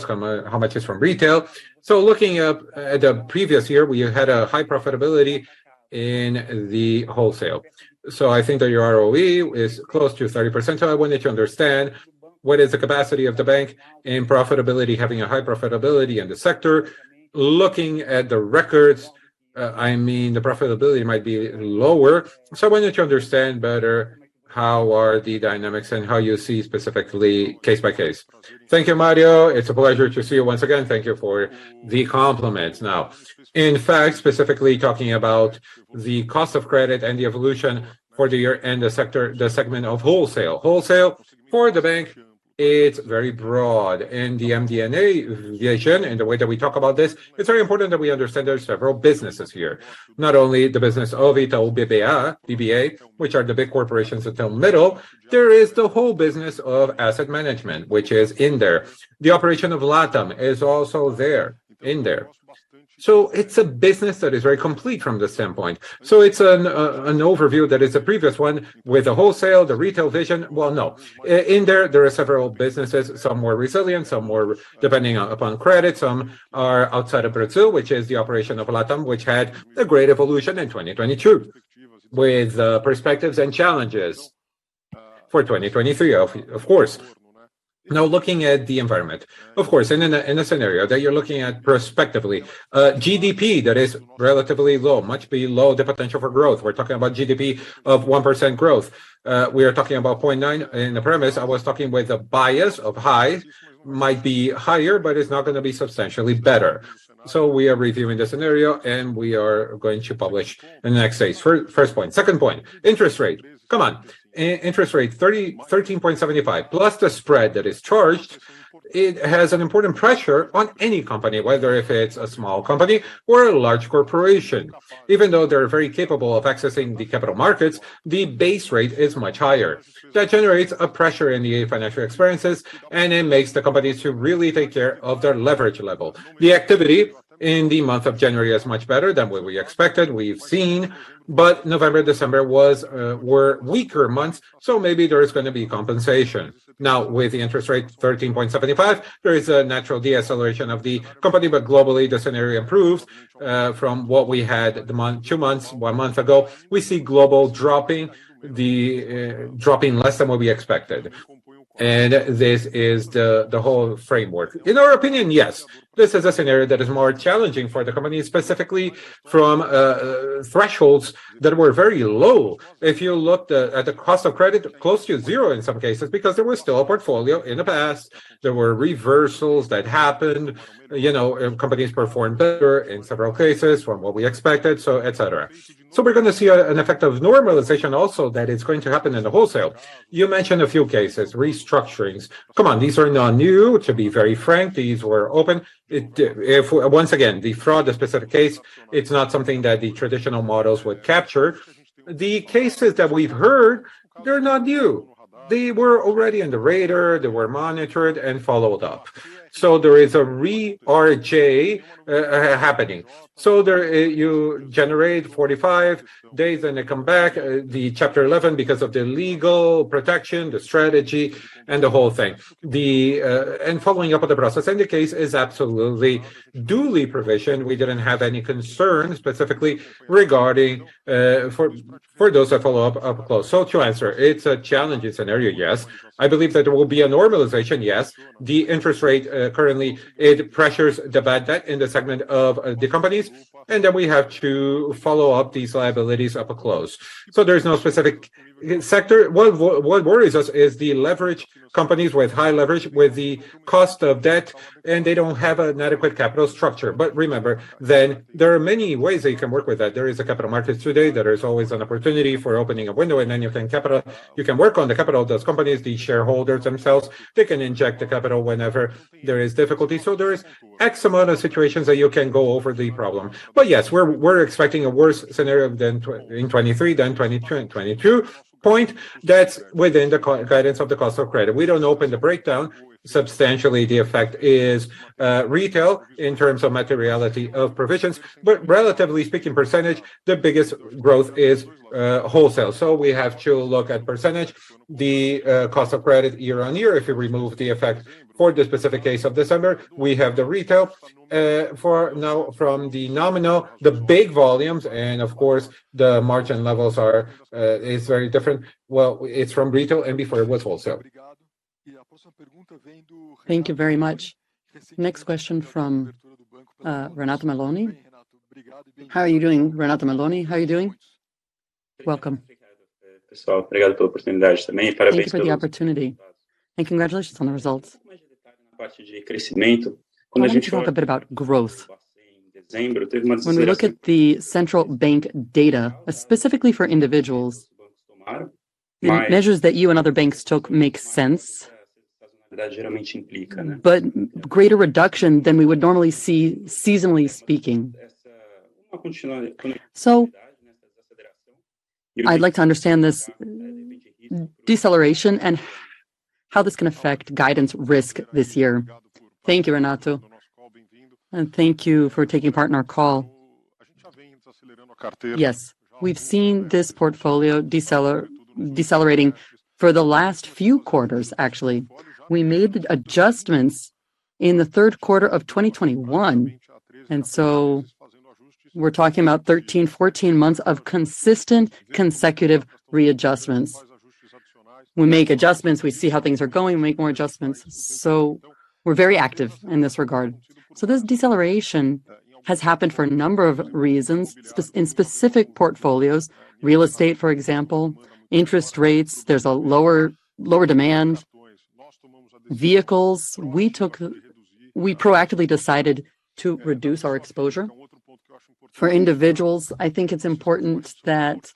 how much is from retail. Looking up at the previous year, we had a high profitability in the wholesale. I think that your ROE is close to 30%. I wanted to understand what is the capacity of the bank in profitability, having a high profitability in the sector. Looking at the records, I mean, the profitability might be lower. I wanted to understand better how are the dynamics and how you see specifically case by case. Thank you, Mario. It's a pleasure to see you once again. Thank you for the compliments. In fact, specifically talking about the cost of credit and the evolution for the year and the segment of Wholesale. Wholesale for the bank, it's very broad. In the MD&A variation and the way that we talk about this, it's very important that we understand there are several businesses here. Not only the business of Itaú BBA, which are the big corporations that sell middle, there is the whole business of asset management, which is in there. The operation of Latam is also there, in there. It's a business that is very complete from this standpoint. It's an overview that is a previous one with the Wholesale, the Retail vision. Well, no. In there are several businesses, some more resilient, some more depending upon credit. Some are outside of Brazil, which is the operation of Latam, which had a great evolution in 2022 with perspectives and challenges for 2023 of course. Now, looking at the environment, of course, in a scenario that you're looking at prospectively, GDP that is relatively low, much below the potential for growth. We're talking about GDP of 1% growth. We are talking about 0.9. In the premise, I was talking with a bias of high, might be higher, but it's not gonna be substantially better. We are reviewing the scenario, and we are going to publish in the next days. First point. Second point, interest rate. Come on. Interest rate, 13.75 plus the spread that is charged, it has an important pressure on any company, whether if it's a small company or a large corporation. Even though they're very capable of accessing the capital markets, the base rate is much higher. That generates a pressure in the financial experiences, and it makes the companies to really take care of their leverage level. The activity in the month of January is much better than what we expected, we've seen. November, December were weaker months, so maybe there is gonna be compensation. With the interest rate, 13.75%, there is a natural deceleration of the company. Globally, the scenario improves from what we had two months, one month ago. We see global dropping less than what we expected. This is the whole framework. In our opinion, yes, this is a scenario that is more challenging for the company, specifically from thresholds that were very low. If you looked at the cost of credit, close to zero in some cases, because there was still a portfolio in the past, there were reversals that happened. You know, companies performed better in several cases from what we expected, etcetera. We're gonna see an effect of normalization also that is going to happen in the wholesale. You mentioned a few cases, restructurings. Come on, these are not new, to be very frank. These were open. Once again, the fraud, the specific case, it's not something that the traditional models would capture. The cases that we've heard, they're not new. They were already in the radar, they were monitored and followed up. There is a re-RJ happening. There, you generate 45 days and they come back, the Chapter 11 because of the legal protection, the strategy, and the whole thing. Following up on the process and the case is absolutely duly provisioned. We didn't have any concerns specifically regarding for those that follow up close. To answer, it's a challenging scenario, yes. I believe that there will be a normalization, yes. The interest rate, currently it pressures the bad debt in the segment of the companies, and then we have to follow up these liabilities up close. There is no specific sector. What worries us is the leverage, companies with high leverage with the cost of debt, and they don't have an adequate capital structure. Remember, then there are many ways that you can work with that. There is a capital markets today. There is always an opportunity for opening a window in anything capital. You can work on the capital of those companies. The shareholders themselves, they can inject the capital whenever there is difficulty. There is X amount of situations that you can go over the problem. Yes, we're expecting a worse scenario than in 2023 than 2022 and 2022. Point. That's within the co-guidance of the cost of credit. We don't open the breakdown. Substantially, the effect is retail in terms of materiality of provisions. Relatively speaking %, the biggest growth is wholesale. We have to look at %. The cost of credit year-on-year, if you remove the effect for the specific case of December, we have the retail, for now from the nominal, the big volumes, and of course the margin levels are, is very different. It's from retail and before it was wholesale. Thank you very much. Next question from Renato Meloni. How are you doing, Renato Meloni? How are you doing? Welcome. Thank you for the opportunity and congratulations on the results. I wanted to talk a bit about growth. When we look at the Central Bank data, specifically for individuals, measures that you and other banks took make sense, but greater reduction than we would normally see seasonally speaking. I'd like to understand this deceleration and how this can affect guidance risk this year. Thank you, Renato, and thank you for taking part in our call. Yes. We've seen this portfolio decelerating for the last few quarters, actually. We made adjustments in the 3rd quarter of 2021, and so we're talking about 13, 14 months of consistent consecutive readjustments. We make adjustments, we see how things are going, we make more adjustments. We're very active in this regard. This deceleration has happened for a number of reasons. In specific portfolios, real estate, for example, interest rates, there's a lower demand. Vehicles, we proactively decided to reduce our exposure. For individuals, I think it's important that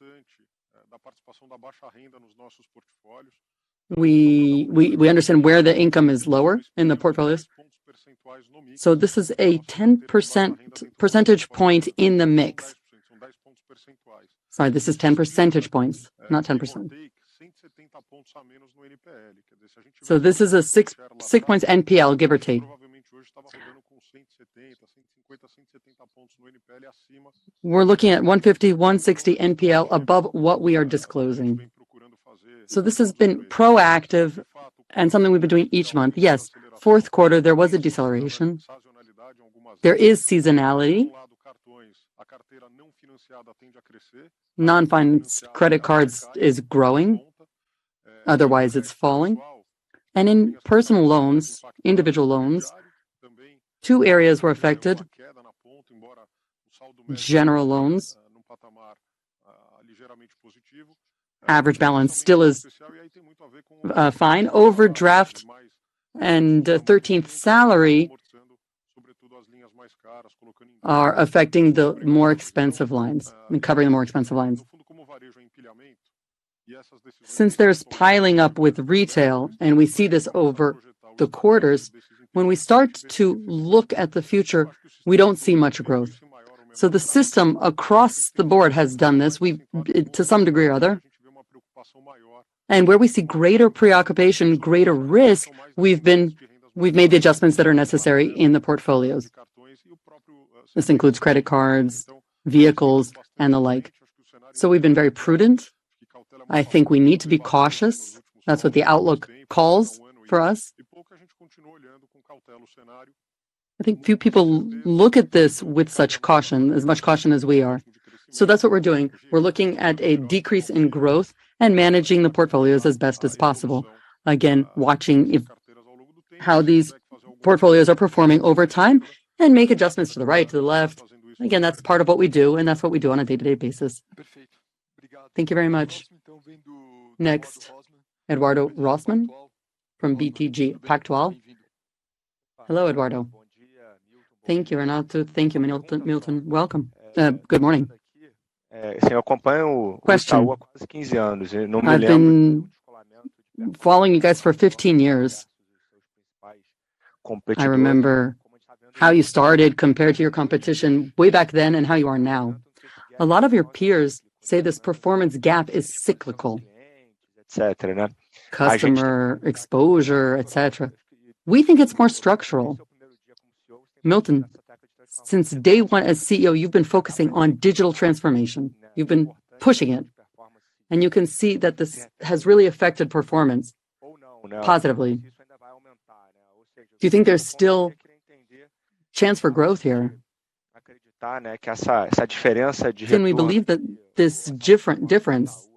we understand where the income is lower in the portfolios. This is a 10 percent percentage point in the mix. Sorry, this is 10 percentage points, not 10%. This is a 6 points NPL, give or take. We're looking at 150, 160 NPL above what we are disclosing. This has been proactive and something we've been doing each month. Yes, fourth quarter, there was a deceleration. There is seasonality. Non-finance credit cards is growing, otherwise it's falling. In personal loans, individual loans, two areas were affected. General loans. Average balance still is fine. Overdraft and the 13th salary are affecting the more expensive lines, recovering the more expensive lines. Since there's piling up with retail, and we see this over the quarters, when we start to look at the future, we don't see much growth. The system across the board has done this. We've to some degree or other. Where we see greater preoccupation, greater risk, we've made the adjustments that are necessary in the portfolios. This includes credit cards, vehicles, and the like. We've been very prudent. I think we need to be cautious. That's what the outlook calls for us. I think few people look at this with such caution, as much caution as we are. That's what we're doing. We're looking at a decrease in growth and managing the portfolios as best as possible. Again, watching how these portfolios are performing over time and make adjustments to the right, to the left. Again, that's part of what we do, and that's what we do on a day-to-day basis. Thank you very much. Next, Eduardo Rosman from BTG Pactual. Hello, Eduardo. Thank you, Renato. Thank you, Milton. Welcome. Good morning. Question. I've been following you guys for 15 years. I remember how you started compared to your competition way back then and how you are now. A lot of your peers say this performance gap is cyclical. Customer exposure, et cetera. We think it's more structural. Milton, since day one as CEO, you've been focusing on digital transformation. You've been pushing it. You can see that this has really affected performance positively. Do you think there's still chance for growth here? We believe that this difference,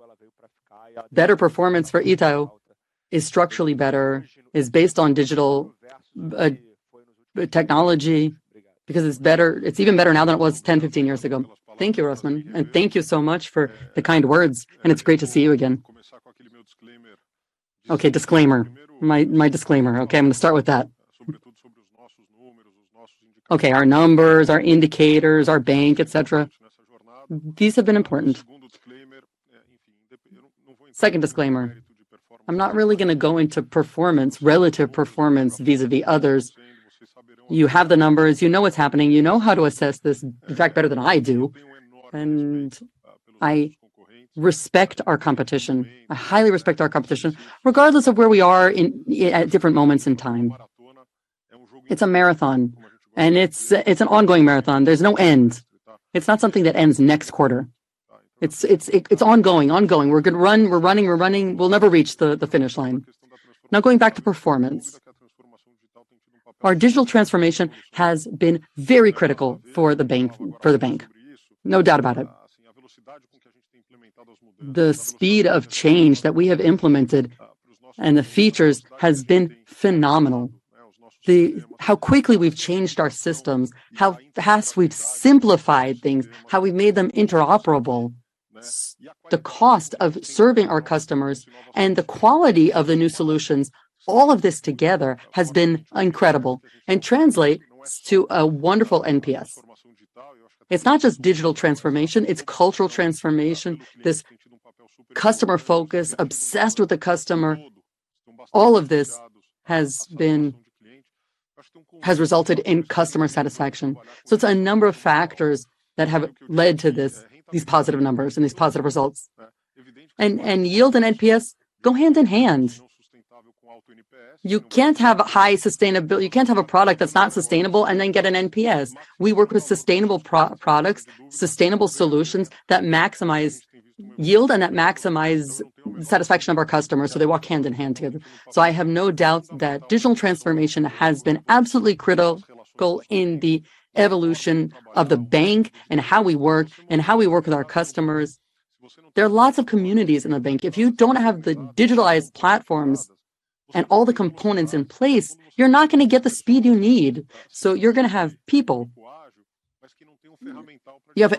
better performance for Itaú is structurally better, is based on digital technology because it's even better now than it was 10, 15 years ago. Thank you, Rosman. Thank you so much for the kind words, and it's great to see you again. Okay, disclaimer. My disclaimer. Okay, I'm gonna start with that. Okay, our numbers, our indicators, our bank, et cetera, these have been important. Second disclaimer, I'm not really gonna go into performance, relative performance vis-a-vis others. You have the numbers. You know what's happening. You know how to assess this, in fact, better than I do, and I respect our competition. I highly respect our competition, regardless of where we are in, at different moments in time. It's a marathon, and it's an ongoing marathon. There's no end. It's not something that ends next quarter. It's ongoing. We're running. We'll never reach the finish line. Now, going back to performance. Our digital transformation has been very critical for the bank, no doubt about it. The speed of change that we have implemented and the features has been phenomenal. How quickly we've changed our systems, how fast we've simplified things, how we've made them interoperable. The cost of serving our customers and the quality of the new solutions, all of this together has been incredible and translates to a wonderful NPS. It's not just digital transformation, it's cultural transformation. This customer focus, obsessed with the customer, all of this has resulted in customer satisfaction. It's a number of factors that have led to this, these positive numbers and these positive results. Yield and NPS go hand in hand. You can't have a product that's not sustainable and then get an NPS. We work with sustainable products, sustainable solutions that maximize yield and that maximize satisfaction of our customers, so they walk hand in hand together. I have no doubt that digital transformation has been absolutely critical in the evolution of the bank and how we work and how we work with our customers. There are lots of communities in the bank. If you don't have the digitalized platforms and all the components in place, you're not gonna get the speed you need. You're gonna have people. You have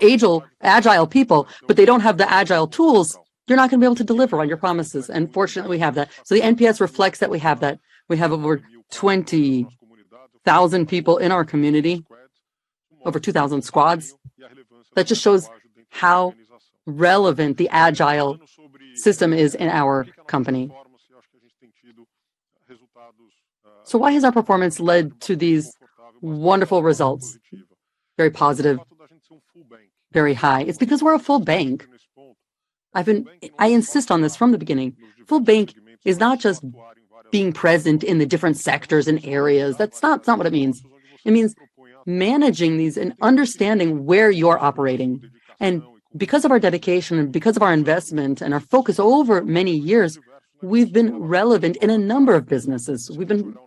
agile people, but they don't have the agile tools, you're not gonna be able to deliver on your promises. Fortunately, we have that. The NPS reflects that we have that. We have over 20,000 people in our community, over 2,000 squads. That just shows how relevant the agile system is in our company. Why has our performance led to these wonderful results? Very positive, very high. It's because we're a full bank. I insist on this from the beginning. Full bank is not just being present in the different sectors and areas. That's not what it means. It means managing these and understanding where you're operating. Because of our dedication and because of our investment and our focus over many years, we've been relevant in a number of businesses. We've been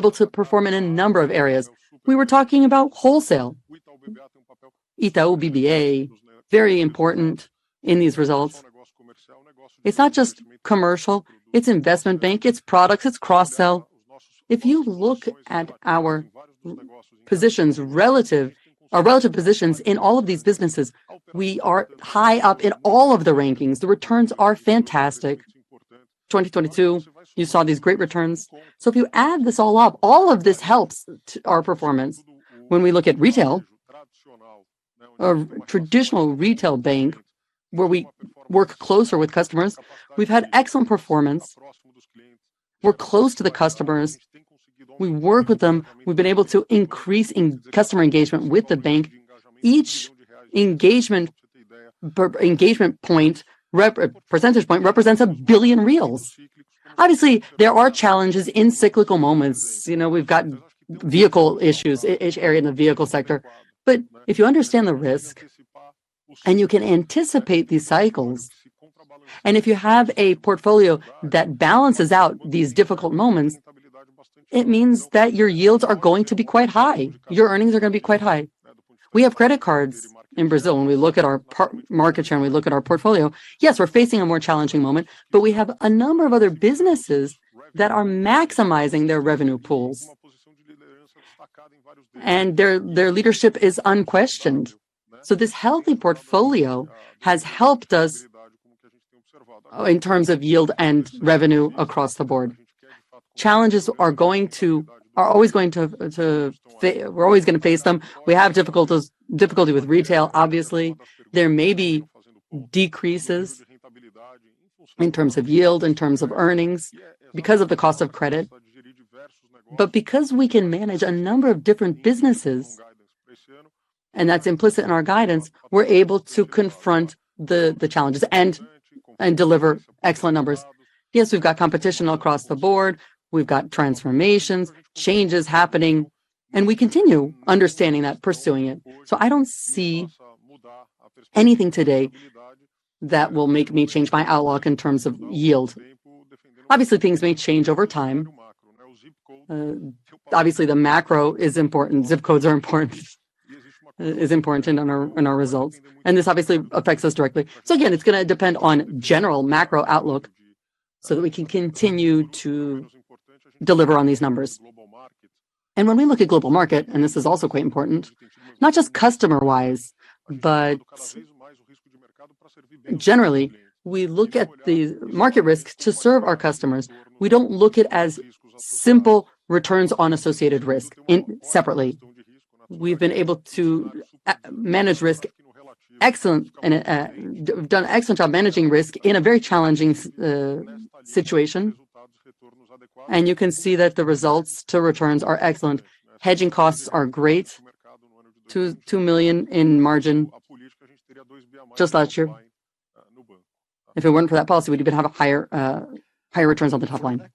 able to perform in a number of areas. We were talking about wholesale. Itaú BBA, very important in these results. It's not just commercial, it's investment bank, it's products, it's cross-sell. If you look at our relative positions in all of these businesses, we are high up in all of the rankings. The returns are fantastic. 2022, you saw these great returns. If you add this all up, all of this helps our performance. When we look at retail, a traditional retail bank where we work closer with customers, we've had excellent performance. We're close to the customers. We work with them. We've been able to increase in customer engagement with the bank. Each engagement point percentage point represents 1 billion. Obviously, there are challenges in cyclical moments. You know, we've got vehicle issues area in the vehicle sector. If you understand the risk and you can anticipate these cycles, and if you have a portfolio that balances out these difficult moments, it means that your yields are going to be quite high. Your earnings are gonna be quite high. We have credit cards in Brazil, we look at our part market share, and we look at our portfolio. Yes, we're facing a more challenging moment, we have a number of other businesses that are maximizing their revenue pools, and their leadership is unquestioned. This healthy portfolio has helped us in terms of yield and revenue across the board. Challenges are going to... are always going to. We're always gonna face them. We have difficulties, difficulty with retail, obviously. There may be decreases in terms of yield, in terms of earnings, because of the cost of credit. Because we can manage a number of different businesses, and that's implicit in our guidance, we're able to confront the challenges and deliver excellent numbers. Yes, we've got competition across the board. We've got transformations, changes happening, and we continue understanding that, pursuing it. I don't see anything today that will make me change my outlook in terms of yield. Obviously, things may change over time. Obviously, the macro is important. Zip codes is important in our results, and this obviously affects us directly. Again, it's gonna depend on general macro outlook so that we can continue to deliver on these numbers. When we look at global market, this is also quite important, not just customer-wise, but generally, we look at the market risk to serve our customers. We don't look it as simple returns on associated risk separately. We've been able to manage risk excellent and we've done an excellent job managing risk in a very challenging situation. You can see that the results to returns are excellent. Hedging costs are great. 2 million in margin just last year. If it weren't for that policy, we'd even have a higher returns on the top line.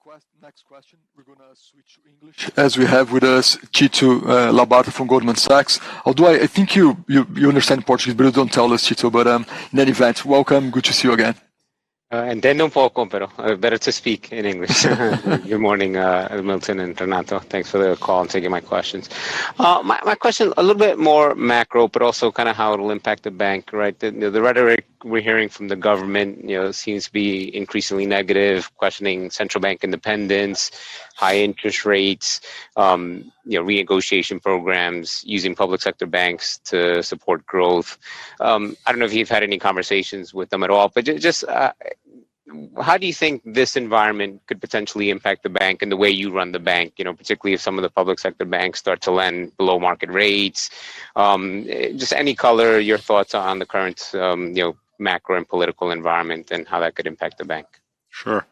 Next question. We're gonna switch to English. We have with us, Tito Labarta from Goldman Sachs. I think you understand Portuguese, but don't tell us, Tito. In any event, welcome. Good to see you again. Good morning, Milton and Renato. Thanks for the call and taking my questions. My question a little bit more macro, but also kinda how it'll impact the bank, right? The rhetoric we're hearing from the government, you know, seems to be increasingly negative, questioning Central Bank independence, high interest rates, you know, renegotiation programs, using public sector banks to support growth. I don't know if you've had any conversations with them at all, but just how do you think this environment could potentially impact the bank and the way you run the bank, you know, particularly if some of the public sector banks start to lend below market rates? Just any color, your thoughts on the current, you know, macro and political environment and how that could impact the bank. Sure.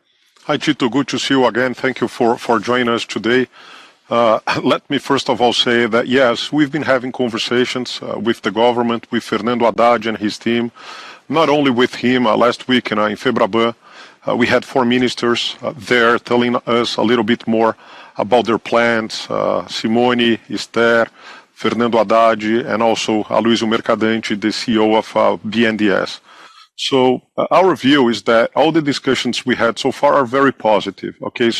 Hi, Tito. Good to see you again. Thank you for joining us today. Let me, first of all, say that, yes, we've been having conversations with the government, with Fernando Haddad and his team. Not only with him. Last week in FEBRABAN, we had four ministers there telling us a little bit more about their plans. Simone, Esther, Fernando Haddad, and also Aloizio Mercadante, the CEO of BNDES. Our view is that all the discussions we had so far are very positive, okay?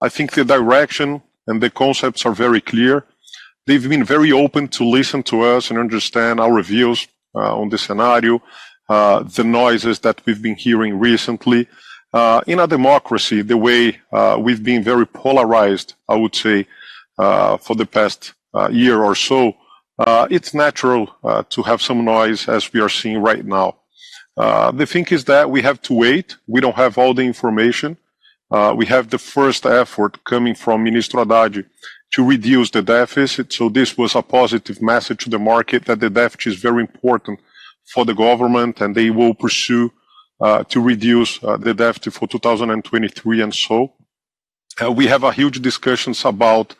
I think the direction and the concepts are very clear. They've been very open to listen to us and understand our views on the scenario, the noises that we've been hearing recently. In a democracy, the way we've been very polarized, I would say, for the past year or so, it's natural to have some noise as we are seeing right now. The thing is that we have to wait. We don't have all the information. We have the first effort coming from Minister Haddad to reduce the deficit. This was a positive message to the market that the deficit is very important for the government and they will pursue to reduce the deficit for 2023 and so. We have a huge discussions about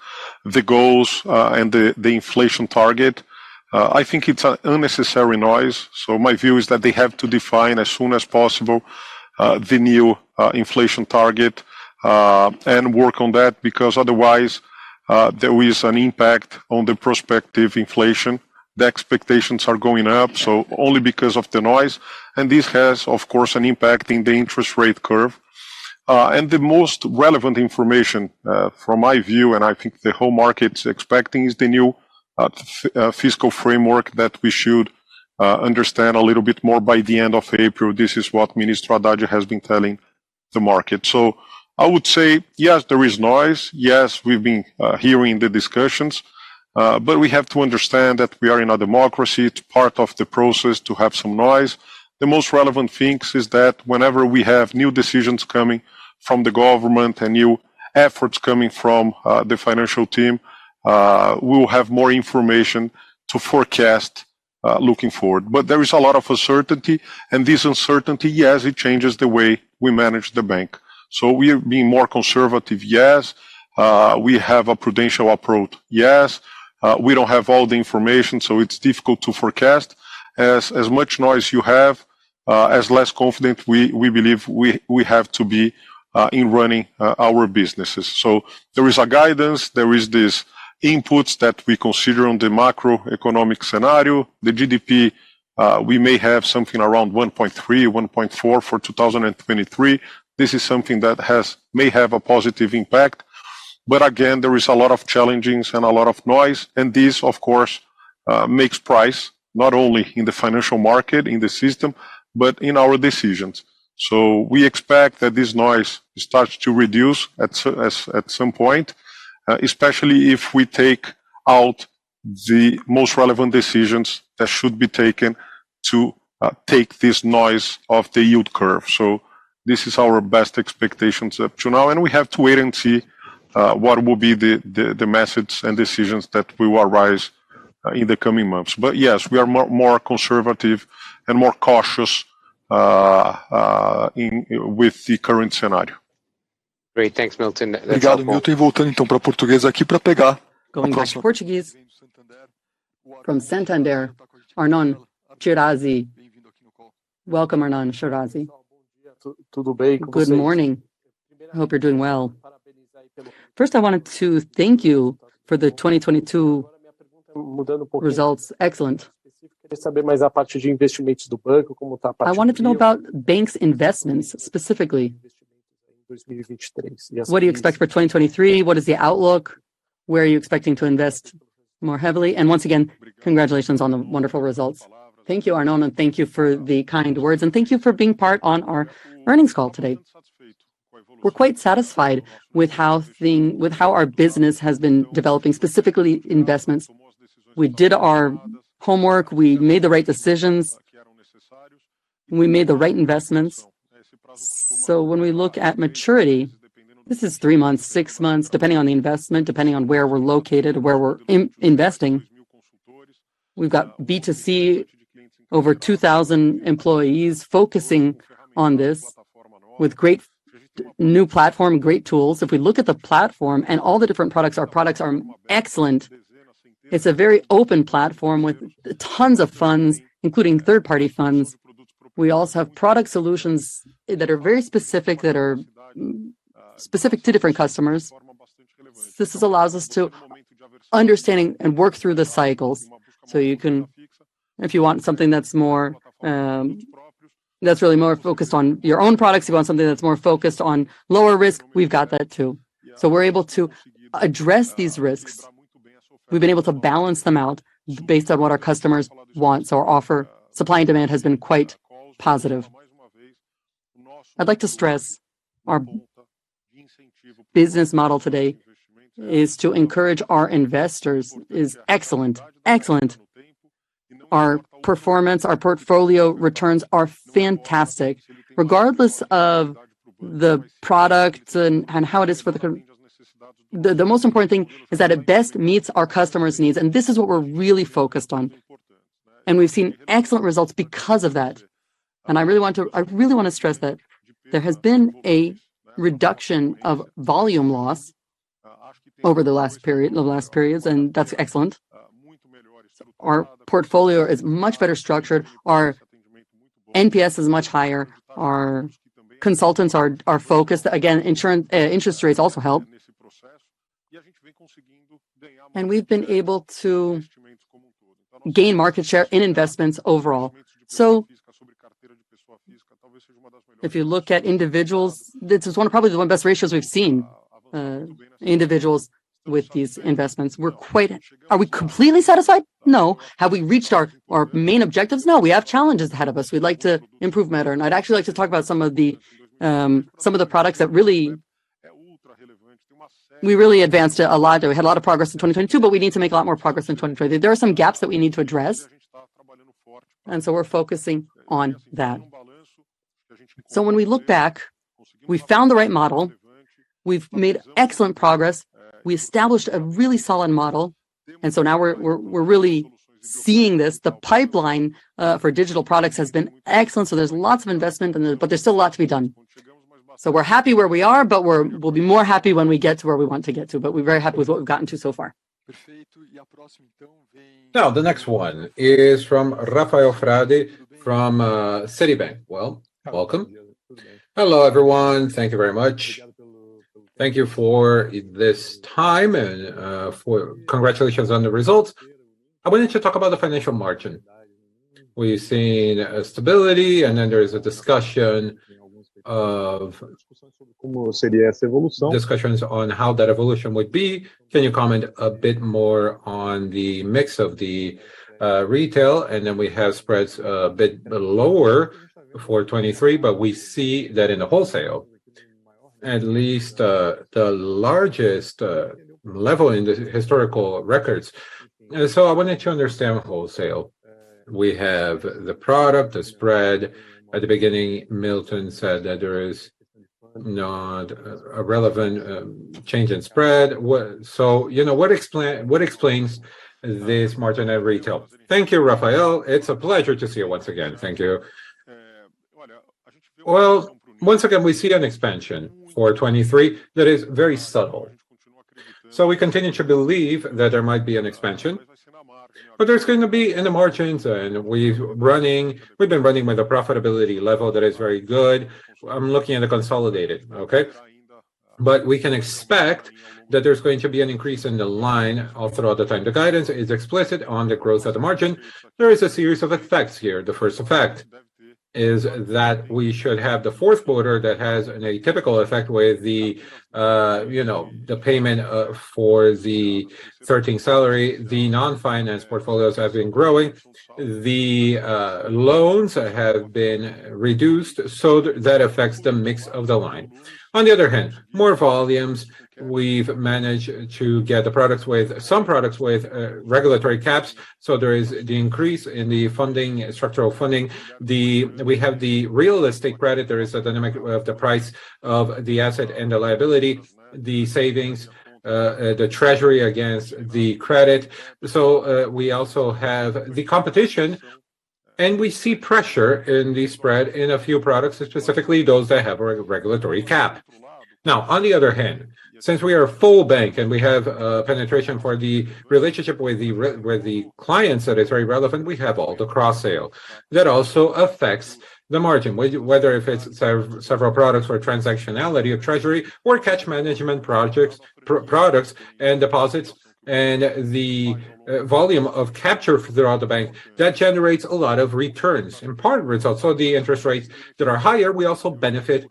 the goals and the inflation target. I think it's an unnecessary noise. My view is that they have to define as soon as possible, the new inflation target, and work on that, because otherwise, there is an impact on the prospective inflation. The expectations are going up, so only because of the noise. This has, of course, an impact in the interest rate curve. The most relevant information, from my view, and I think the whole market's expecting, is the new fiscal framework that we should understand a little bit more by the end of April. This is what Minister Haddad has been telling the market. I would say, yes, there is noise. Yes, we've been hearing the discussions, but we have to understand that we are in a democracy. It's part of the process to have some noise. The most relevant things is that whenever we have new decisions coming from the government and new efforts coming from the financial team, we will have more information to forecast looking forward. There is a lot of uncertainty, and this uncertainty, yes, it changes the way we manage the bank. We are being more conservative, yes. We have a prudential approach, yes. We don't have all the information, so it's difficult to forecast. As much noise you have, as less confident we believe we have to be in running our businesses. There is a guidance, there is these inputs that we consider on the macroeconomic scenario. The GDP, we may have something around 1.3, 1.4 for 2023. This is something that may have a positive impact. Again, there is a lot of challenges and a lot of noise. This, of course, makes price, not only in the financial market, in the system, but in our decisions. We expect that this noise starts to reduce at some point, especially if we take out the most relevant decisions that should be taken to take this noise off the yield curve. This is our best expectations up to now, and we have to wait and see what will be the methods and decisions that will arise In the coming months. Yes, we are more conservative and more cautious with the current scenario. Great. Thanks, Milton. Obrigado, Milton. Going next to Portuguese from Santander, Arnon Shirazi. Welcome, Arnon Shirazi. Good morning. Hope you're doing well. First, I wanted to thank you for the 2022 results. Excellent. I wanted to know about bank's investments specifically. What do you expect for 2023? What is the outlook? Where are you expecting to invest more heavily? Once again, congratulations on the wonderful results. Thank you, Arnon, thank you for the kind words, thank you for being part on our earnings call today. We're quite satisfied with how our business has been developing, specifically investments. We did our homework. We made the right decisions. We made the right investments. When we look at maturity, this is three months, six months, depending on the investment, depending on where we're located, where we're investing. We've got B2C, over 2,000 employees focusing on this with great new platform, great tools. We look at the platform and all the different products, our products are excellent. It's a very open platform with tons of funds, including third-party funds. We also have product solutions that are very specific, that are specific to different customers. This allows us to understanding and work through the cycles. If you want something that's more, that's really more focused on your own products, you want something that's more focused on lower risk, we've got that too. We're able to address these risks. We've been able to balance them out based on what our customers want. Our offer, supply and demand has been quite positive. I'd like to stress our business model today is to encourage our investors, is excellent. Our performance, our portfolio returns are fantastic regardless of the product and how it is for. The most important thing is that it best meets our customers' needs, and this is what we're really focused on. We've seen excellent results because of that. I really wanna stress that there has been a reduction of volume loss over the last periods, and that's excellent. Our portfolio is much better structured. Our NPS is much higher. Our consultants are focused. Again, interest rates also help. We've been able to gain market share in investments overall. If you look at individuals, this is probably one of the best ratios we've seen, individuals with these investments. Are we completely satisfied? No. Have we reached our main objectives? No. We have challenges ahead of us. We'd like to improve better. I'd actually like to talk about some of the products. We really advanced a lot. We had a lot of progress in 2022. We need to make a lot more progress in 2023. There are some gaps that we need to address. We're focusing on that. When we look back, we found the right model. We've made excellent progress. We established a really solid model. Now we're really seeing this. The pipeline for digital products has been excellent. There's lots of investment in there. There's still a lot to be done. We're happy where we are. We'll be more happy when we get to where we want to get to. We're very happy with what we've gotten to so far. The next one is from Rafael Frade from Citi. Well, welcome. Hello, everyone. Thank you very much. Thank you for this time and Congratulations on the results. I wanted to talk about the financial margin. We're seeing a stability, there is a discussion of discussions on how that evolution would be. Can you comment a bit more on the mix of the retail? We have spreads a bit lower for 23, we see that in the wholesale, at least, the largest level in the historical records. I wanted to understand wholesale. We have the product, the spread. At the beginning, Milton said that there is not a relevant change in spread. You know, what explains this margin at retail? Thank you, Rafael. It's a pleasure to see you once again. Thank you. Well, once again, we see an expansion for 2023 that is very subtle. We continue to believe that there might be an expansion, but there's gonna be in the margin side. We've been running with a profitability level that is very good. I'm looking at the consolidated, okay. We can expect that there's going to be an increase in the line all throughout the time. The guidance is explicit on the growth of the margin. There is a series of effects here. The first effect is that we should have the fourth quarter that has an atypical effect with the, you know, the payment for the thirteenth salary. The non-finance portfolios have been growing. The loans have been reduced, so that affects the mix of the line. On the other hand, more volumes, we've managed to get the products with some products with regulatory caps, so there is the increase in the funding, structural funding. We have the realistic credit. There is a dynamic of the price of the asset and the liability, the savings, the treasury against the credit. We also have the competition. We see pressure in the spread in a few products, specifically those that have a regulatory cap. On the other hand, since we are a full bank and we have penetration for the relationship with the clients that is very relevant, we have all the cross-sale. That also affects the margin, whether if it's several products or transactionality of treasury or cash management products and deposits and the volume of capture throughout the bank, that generates a lot of returns. In part, results are the interest rates that are higher, we also benefit,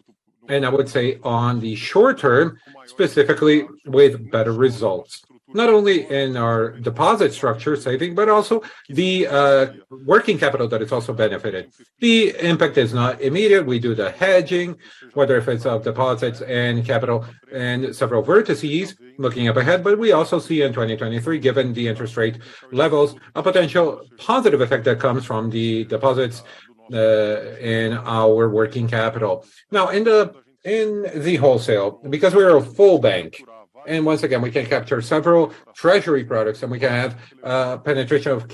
and I would say on the short term, specifically with better results, not only in our deposit structure saving, but also the working capital that is also benefited. The impact is not immediate. We do the hedging, whether if it's of deposits and capital and several vertices looking up ahead. We also see in 2023, given the interest rate levels, a potential positive effect that comes from the deposits in our working capital. In the wholesale, because we are a full bank, and once again, we can capture several treasury products, and we can have penetration of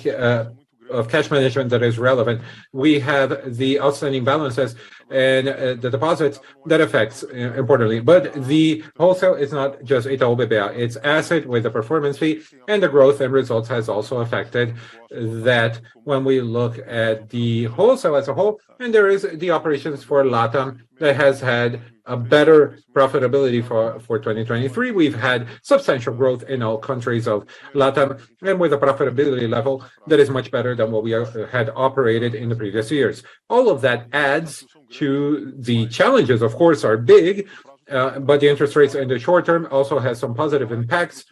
cash management that is relevant. We have the outstanding balances and the deposits that affects importantly. The wholesale is not just Itaú BBA, it's asset with a performance fee, and the growth and results has also affected that when we look at the wholesale as a whole, and there is the operations for LATAM that has had a better profitability for 2023. We've had substantial growth in all countries of LATAM and with a profitability level that is much better than what we have had operated in the previous years. All of that adds to the challenges, of course, are big, the interest rates in the short term also has some positive impacts.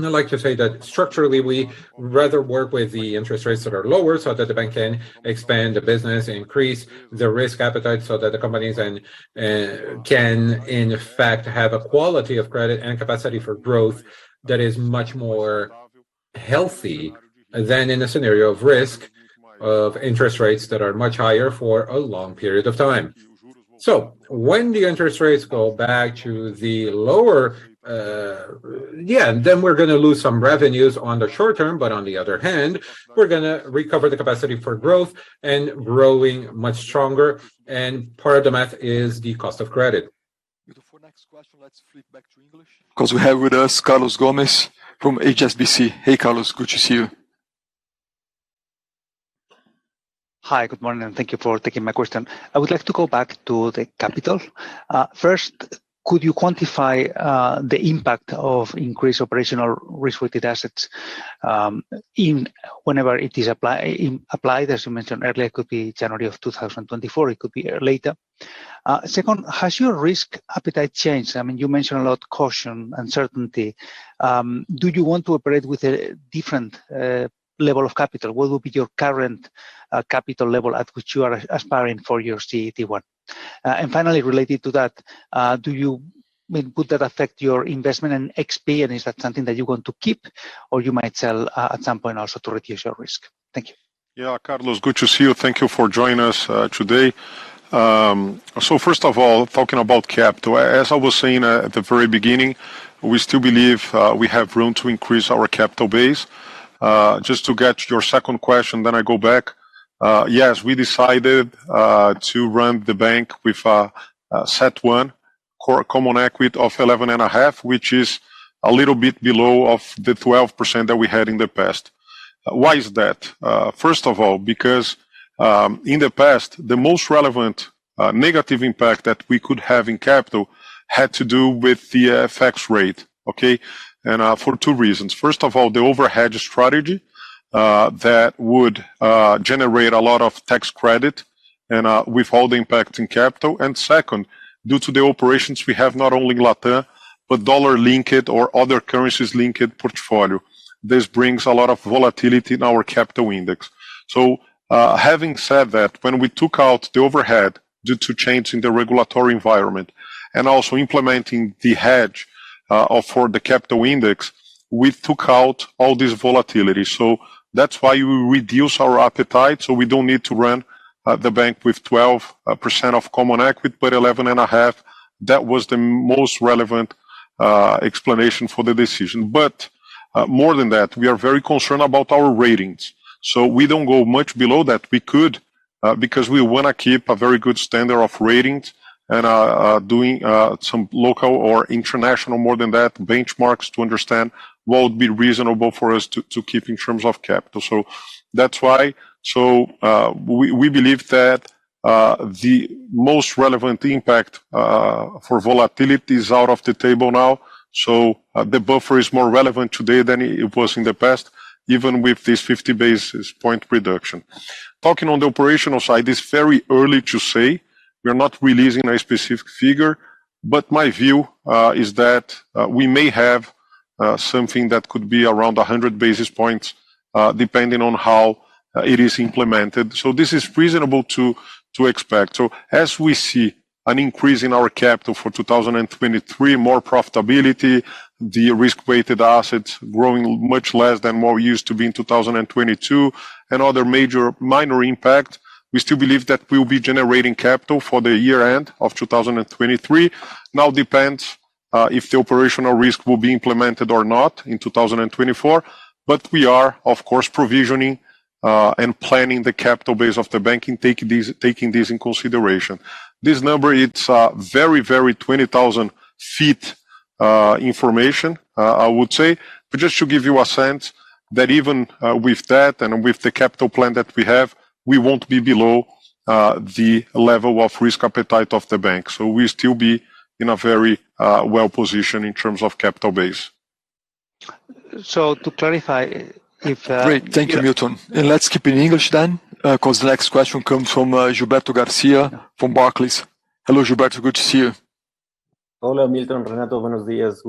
I'd like to say that structurally, we rather work with the interest rates that are lower so that the bank can expand the business, increase the risk appetite so that the companies then can in fact have a quality of credit and capacity for growth that is much more healthy than in a scenario of risk of interest rates that are much higher for a long period of time. When the interest rates go back to the lower, yeah, then we're gonna lose some revenues on the short term, but on the other hand, we're gonna recover the capacity for growth and growing much stronger. Part of the math is the cost of credit. For next question, let's flip back to English 'cause we have with us Carlos Gomez-Lopez from HSBC. Hey, Carlos, good to see you. Hi, good morning. Thank you for taking my question. I would like to go back to the capital. First, could you quantify the impact of increased operational risk-weighted assets whenever it is applied, as you mentioned earlier, it could be January of 2024, it could be later. Second, has your risk appetite changed? I mean, you mentioned a lot caution, uncertainty. Do you want to operate with a different level of capital? What will be your current capital level at which you are aspiring for your CET1? Finally, related to that, I mean, would that affect your investment in XP, and is that something that you're going to keep or you might sell at some point also to reduce your risk? Thank you. Yeah. Carlos, good to see you. Thank you for joining us, today. First of all, talking about capital, as I was saying, at the very beginning, we still believe, we have room to increase our capital base. Just to get your second question, then I go back. Yes, we decided, to run the bank with, a CET1 co-common equity of 11.5, which is a little bit below of the 12% that we had in the past. Why is that? First of all, because, in the past, the most relevant, negative impact that we could have in capital had to do with the, FX rate, okay? For two reasons. First of all, the overhead strategy, that would generate a lot of tax credit and with all the impact in capital. Second, due to the operations we have not only in LatAm, but dollar-linked or other currencies-linked portfolio. This brings a lot of volatility in our capital index. Having said that, when we took out the overhead due to change in the regulatory environment and also implementing the hedge for the capital index, we took out all this volatility. That's why we reduce our appetite, so we don't need to run the bank with 12% of common equity, but 11.5%. That was the most relevant explanation for the decision. More than that, we are very concerned about our ratings. We don't go much below that. We could, because we wanna keep a very good standard of ratings and doing some local or international more than that, benchmarks to understand what would be reasonable for us to keep in terms of capital. That's why. We believe that the most relevant impact for volatility is out of the table now, so the buffer is more relevant today than it was in the past, even with this 50 basis point reduction. Talking on the operational side, it's very early to say. We're not releasing a specific figure, but my view is that we may have something that could be around 100 basis points, depending on how it is implemented. This is reasonable to expect. As we see an increase in our capital for 2023, more profitability, the risk-weighted assets growing much less than what we used to be in 2022 and other minor impact, we still believe that we'll be generating capital for the year-end of 2023. Now depends if the operational risk will be implemented or not in 2024. We are, of course, provisioning, and planning the capital base of the banking, taking this in consideration. This number, it's very, very 20,000 feet information, I would say. Just to give you a sense that even with that and with the capital plan that we have, we won't be below the level of risk appetite of the bank. We'll still be in a very well position in terms of capital base. to clarify, if. Great. Thank you, Milton. Let's keep in English then, 'cause the next question comes from, Gilberto García from Barclays. Hello, Gilberto, good to see you. Hola, Milton, Renato. Buenos dias.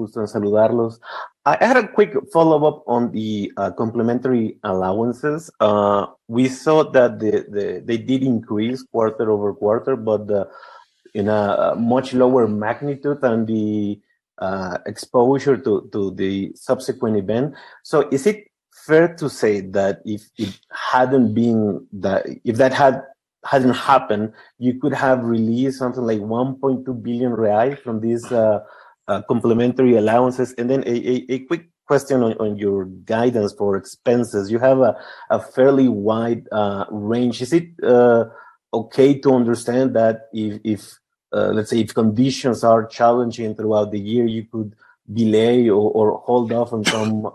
I had a quick follow-up on the complementary allowances. We saw that they did increase quarter-over-quarter, but in a much lower magnitude than the exposure to the subsequent event. Is it fair to say that if it hadn't been that... If that hadn't happened, you could have released something like 1.2 billion reais from these complementary allowances? Then a quick question on your guidance for expenses. You have a fairly wide range. Is it okay to understand that if, let's say, if conditions are challenging throughout the year, you could delay or hold off on some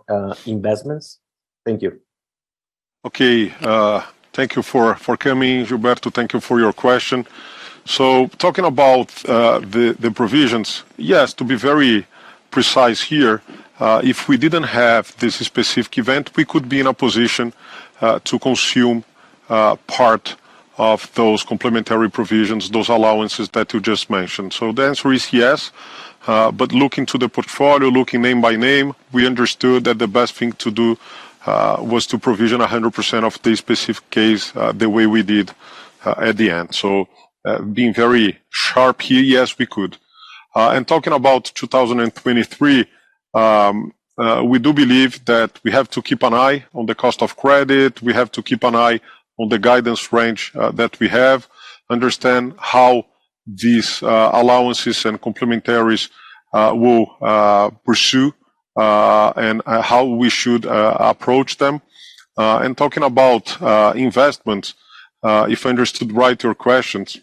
investments? Thank you. Okay. Thank you for coming, Gilberto. Thank you for your question. Talking about the provisions, yes, to be very precise here, if we didn't have this specific event, we could be in a position to consume part of those complementary provisions, those allowances that you just mentioned. The answer is yes. But looking to the portfolio, looking name by name, we understood that the best thing to do was to provision 100% of the specific case, the way we did at the end. Being very sharp here, yes, we could. And talking about 2023, we do believe that we have to keep an eye on the cost of credit. We have to keep an eye on the guidance range that we have, understand how these allowances and complementaries will pursue, and how we should approach them. Talking about investment, if I understood right your questions,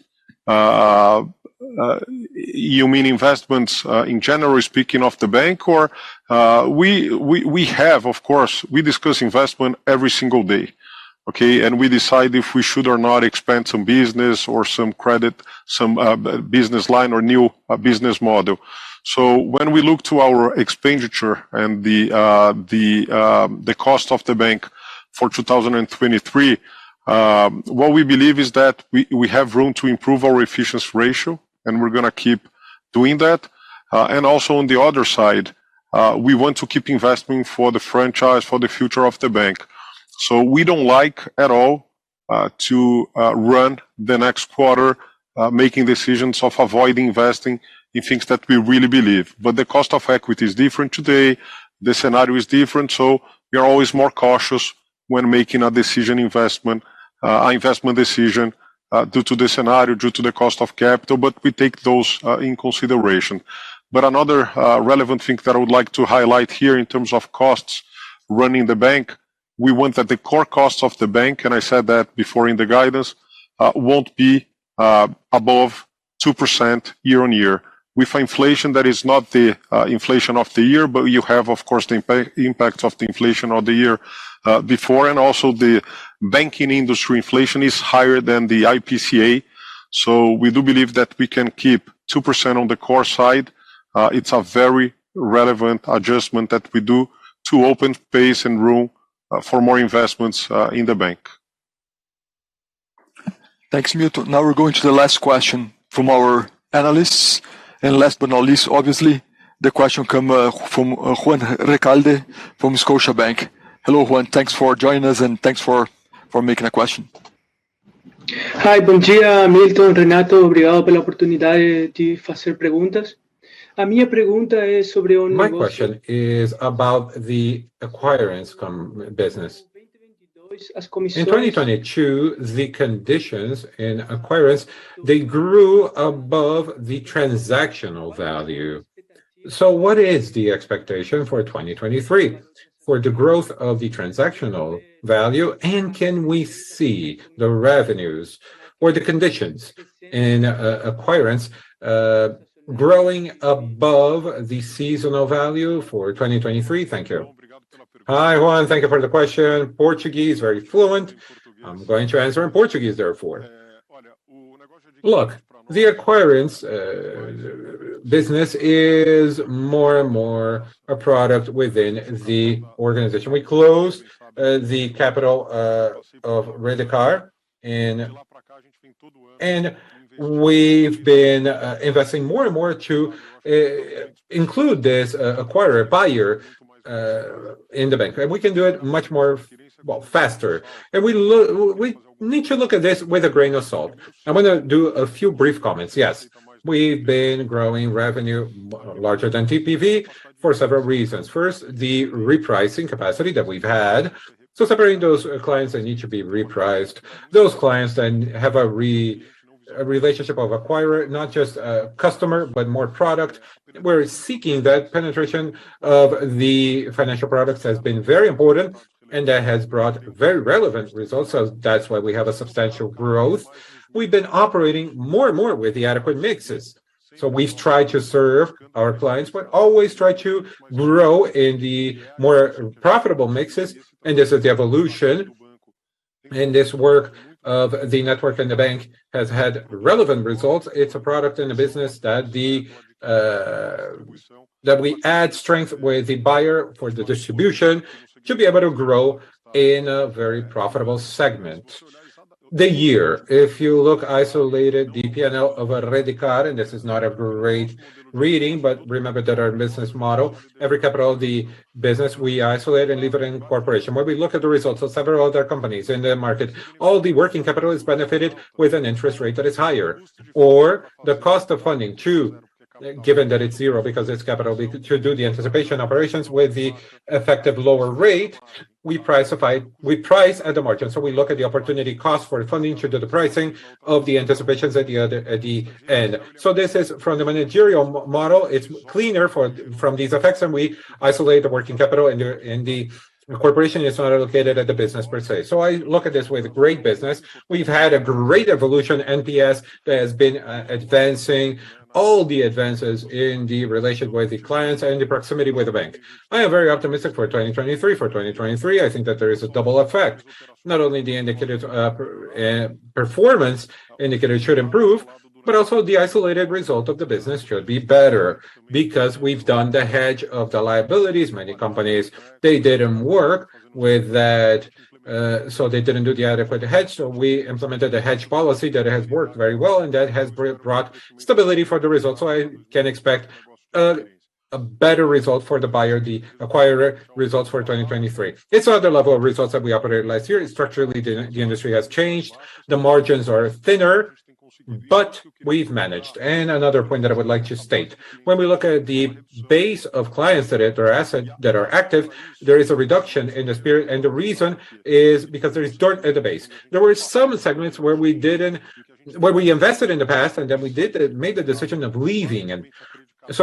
you mean investments in general speaking of the bank? We have, of course, we discuss investment every single day, okay? We decide if we should or not expand some business or some credit, some business line or new business model. When we look to our expenditure and the cost of the bank for 2023, what we believe is that we have room to improve our efficiency ratio, and we're gonna keep doing that. r side, we want to keep investing for the franchise, for the future of the bank. We don't like at all to run the next quarter, making decisions of avoiding investing in things that we really believe. The cost of equity is different today. The scenario is different, so we are always more cautious when making an investment decision, due to the scenario, due to the cost of capital, but we take those in consideration. Another relevant thing that I would like to highlight here in terms of costs running the bank, we want that the core costs of the bank, and I said that before in the guidance, won't be above 2% year-over-year. With inflation, that is not the inflation of the year, but you have, of course, the impact of the inflation of the year, before. Also, the banking industry inflation is higher than the IPCA. We do believe that we can keep 2% on the core side. It's a very relevant adjustment that we do to open space and room, for more investments, in the bank. Thanks, Milton. Now we're going to the last question from our analysts. Last but not least, obviously, the question come from Juan Recalde from Scotiabank. Hello, Juan. Thanks for joining us, and thanks for making a question. Hi. Bon dia, Milton, Renato. My question is about the acquiring business. In 2022, the conditions in acquiring, they grew above the transactional value. What is the expectation for 2023 for the growth of the transactional value, and can we see the revenues or the conditions in acquiring, growing above the seasonal value for 2023? Thank you. Hi, Juan. Thank you for the question. Portuguese, very fluent. I'm going to answer in Portuguese, therefore. Look, the acquiring business is more and more a product within the organization. We closed the capital of Rede and we've been investing more and more to include this acquirer, buyer, in the bank. We can do it much more, well, faster. We need to look at this with a grain of salt. I'm gonna do a few brief comments. Yes, we've been growing revenue larger than TPV for several reasons. First, the repricing capacity that we've had. Separating those clients that need to be repriced, those clients then have a re-relationship of acquirer, not just a customer, but more product. We're seeking that penetration of the financial products has been very important, and that has brought very relevant results. That's why we have a substantial growth. We've been operating more and more with the adequate mixes. We've tried to serve our clients, but always try to grow in the more profitable mixes. There's a evolution in this work of the network, and the bank has had relevant results. It's a product in the business that we add strength with the buyer for the distribution to be able to grow in a very profitable segment. The year, if you look isolated, the P&L of a Redecard, this is not a great reading, but remember that our business model, every capital of the business we isolate and leave it in corporation. When we look at the results of several other companies in the market, all the working capital is benefited with an interest rate that is higher or the cost of funding too, given that it's zero because it's capital to do the anticipation operations with the effective lower rate we pricify... we price at the margin. We look at the opportunity cost for funding to do the pricing of the anticipations at the end. This is from the managerial model. It's cleaner from these effects, and we isolate the working capital and the corporation is not allocated at the business per se. I look at this with great business. We've had a great evolution. NPS has been advancing all the advances in the relation with the clients and the proximity with the bank. I am very optimistic for 2023. For 2023, I think that there is a double effect. Not only the indicative performance indicator should improve, but also the isolated result of the business should be better because we've done the hedge of the liabilities. Many companies, they didn't work with that, they didn't do the adequate hedge. We implemented a hedge policy that has worked very well and that has brought stability for the results. I can expect a better result for the buyer, the acquirer results for 2023. It's another level of results that we operated last year. Structurally, the industry has changed. The margins are thinner, but we've managed. Another point that I would like to state, when we look at the base of clients that are active, there is a reduction in the spirit, and the reason is because there is dirt at the base. There were some segments where we didn't where we invested in the past, and then we made the decision of leaving.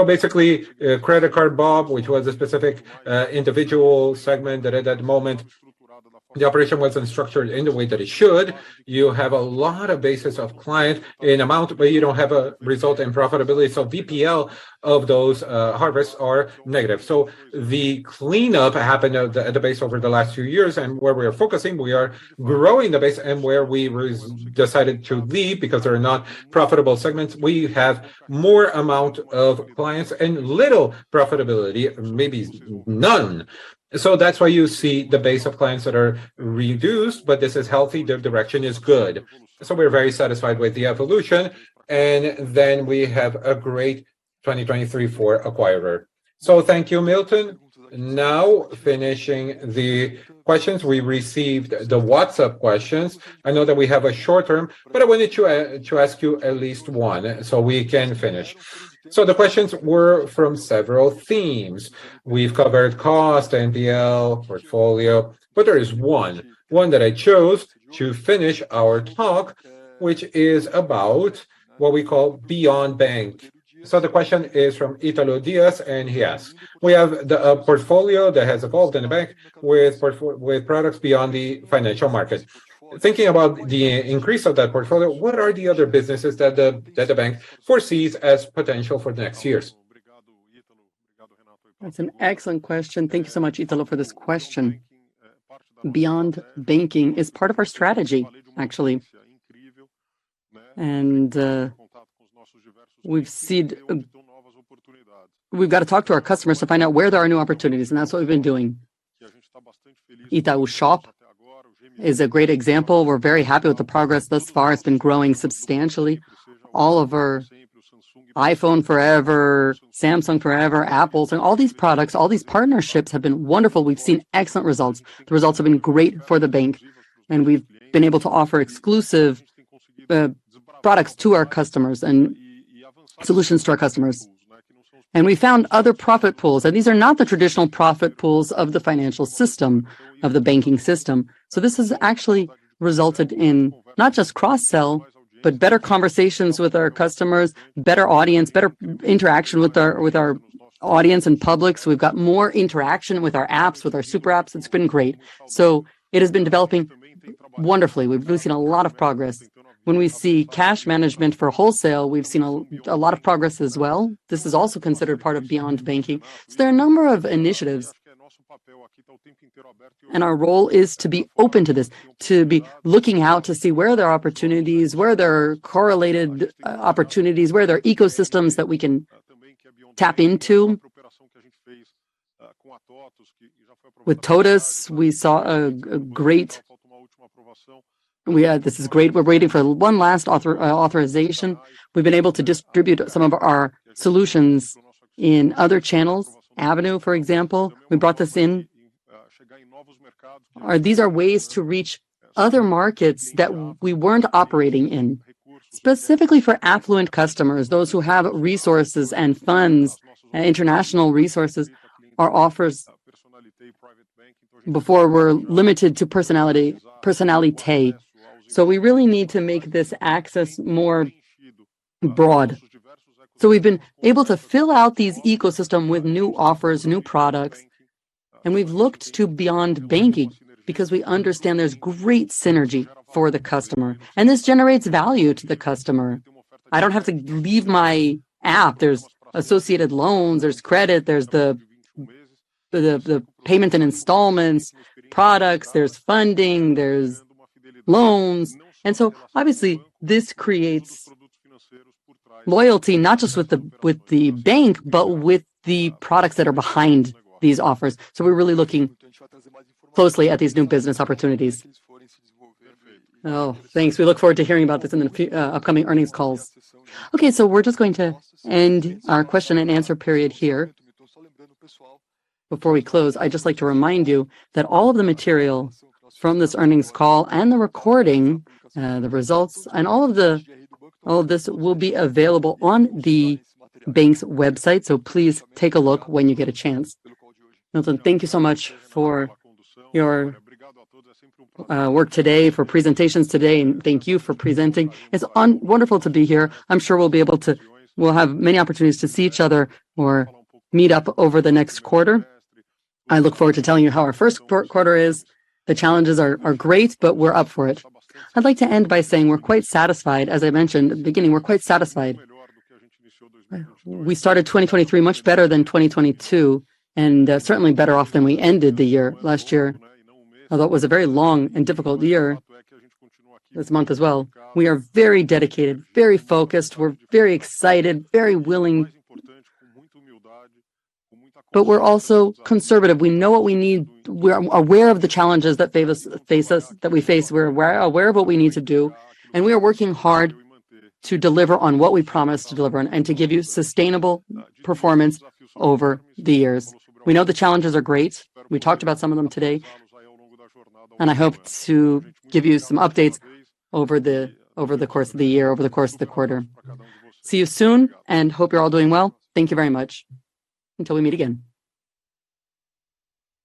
Basically, credit card book, which was a specific individual segment that at that moment the operation wasn't structured in the way that it should. You have a lot of bases of client in amount, but you don't have a result in profitability. VPL of those harvests are negative. The cleanup happened at the base over the last few years. Where we are focusing, we are growing the base and where we decided to leave because they're not profitable segments. We have more amount of clients and little profitability, maybe none. That's why you see the base of clients that are reduced. This is healthy. The direction is good. We're very satisfied with the evolution. We have a great 2023 for acquirer. Thank you, Milton. Now finishing the questions. We received the WhatsApp questions. I know that we have a short term, I wanted to ask you at least one so we can finish. The questions were from several themes. We've covered cost, NPL, portfolio. There is one that I chose to finish our talk, which is about what we call Beyond Bank. The question is from Italo Dias, and he asks, "We have the portfolio that has evolved in the bank with products beyond the financial market. Thinking about the increase of that portfolio, what are the other businesses that the bank foresees as potential for the next years? That's an excellent question. Thank you so much, Italo, for this question. Beyond banking is part of our strategy, actually. We've got to talk to our customers to find out where there are new opportunities, and that's what we've been doing. Itaú Shop is a great example. We're very happy with the progress thus far. It's been growing substantially. All of our iPhone Forever, Samsung Forever, Apples, and all these products, all these partnerships have been wonderful. We've seen excellent results. The results have been great for the bank, and we've been able to offer exclusive products to our customers and solutions to our customers. We found other profit pools, and these are not the traditional profit pools of the financial system, of the banking system. This has actually resulted in not just cross-sell, but better conversations with our customers, better audience, better interaction with our, with our audience and public. We've got more interaction with our apps, with our super apps. It's been great. It has been developing wonderfully. We've seen a lot of progress. When we see cash management for wholesale, we've seen a lot of progress as well. This is also considered part of beyond banking. There are a number of initiatives, and our role is to be open to this, to be looking out to see where there are opportunities, where there are correlated opportunities, where there are ecosystems that we can tap into. With TOTVS, we saw a great. This is great. We're waiting for one last authorization. We've been able to distribute some of our solutions in other channels. Avenue, for example, we brought this in. These are ways to reach other markets that we weren't operating in. Specifically for affluent customers, those who have resources and funds and international resources. Our offers before were limited to Personnalité. We really need to make this access more broad. We've been able to fill out these ecosystem with new offers, new products. We've looked to beyond banking because we understand there's great synergy for the customer, and this generates value to the customer. I don't have to leave my app. There's associated loans, there's credit, there's the payment and installments products, there's funding, there's loans. Obviously this creates loyalty not just with the bank, but with the products that are behind these offers. We're really looking closely at these new business opportunities. Oh, thanks. We look forward to hearing about this in the upcoming earnings calls. Okay. We're just going to end our question and answer period here. Before we close, I'd just like to remind you that all of the material from this earnings call and the recording, the results and all of this will be available on the bank's website. Please take a look when you get a chance. Milton, thank you so much for your work today, for presentations today, and thank you for presenting. It's wonderful to be here. We'll have many opportunities to see each other or meet up over the next quarter. I look forward to telling you how our first quarter is. The challenges are great, but we're up for it. I'd like to end by saying we're quite satisfied. As I mentioned at the beginning, we're quite satisfied. We started 2023 much better than 2022, and certainly better off than we ended the year last year. Although it was a very long and difficult year, this month as well, we are very dedicated, very focused, we're very excited, very willing. We're also conservative. We know what we need. We're aware of the challenges that face us, that we face. We're aware of what we need to do, and we are working hard to deliver on what we promised to deliver and to give you sustainable performance over the years. We know the challenges are great. We talked about some of them today. I hope to give you some updates over the course of the year, over the course of the quarter. See you soon and hope you're all doing well. Thank you very much. Until we meet again.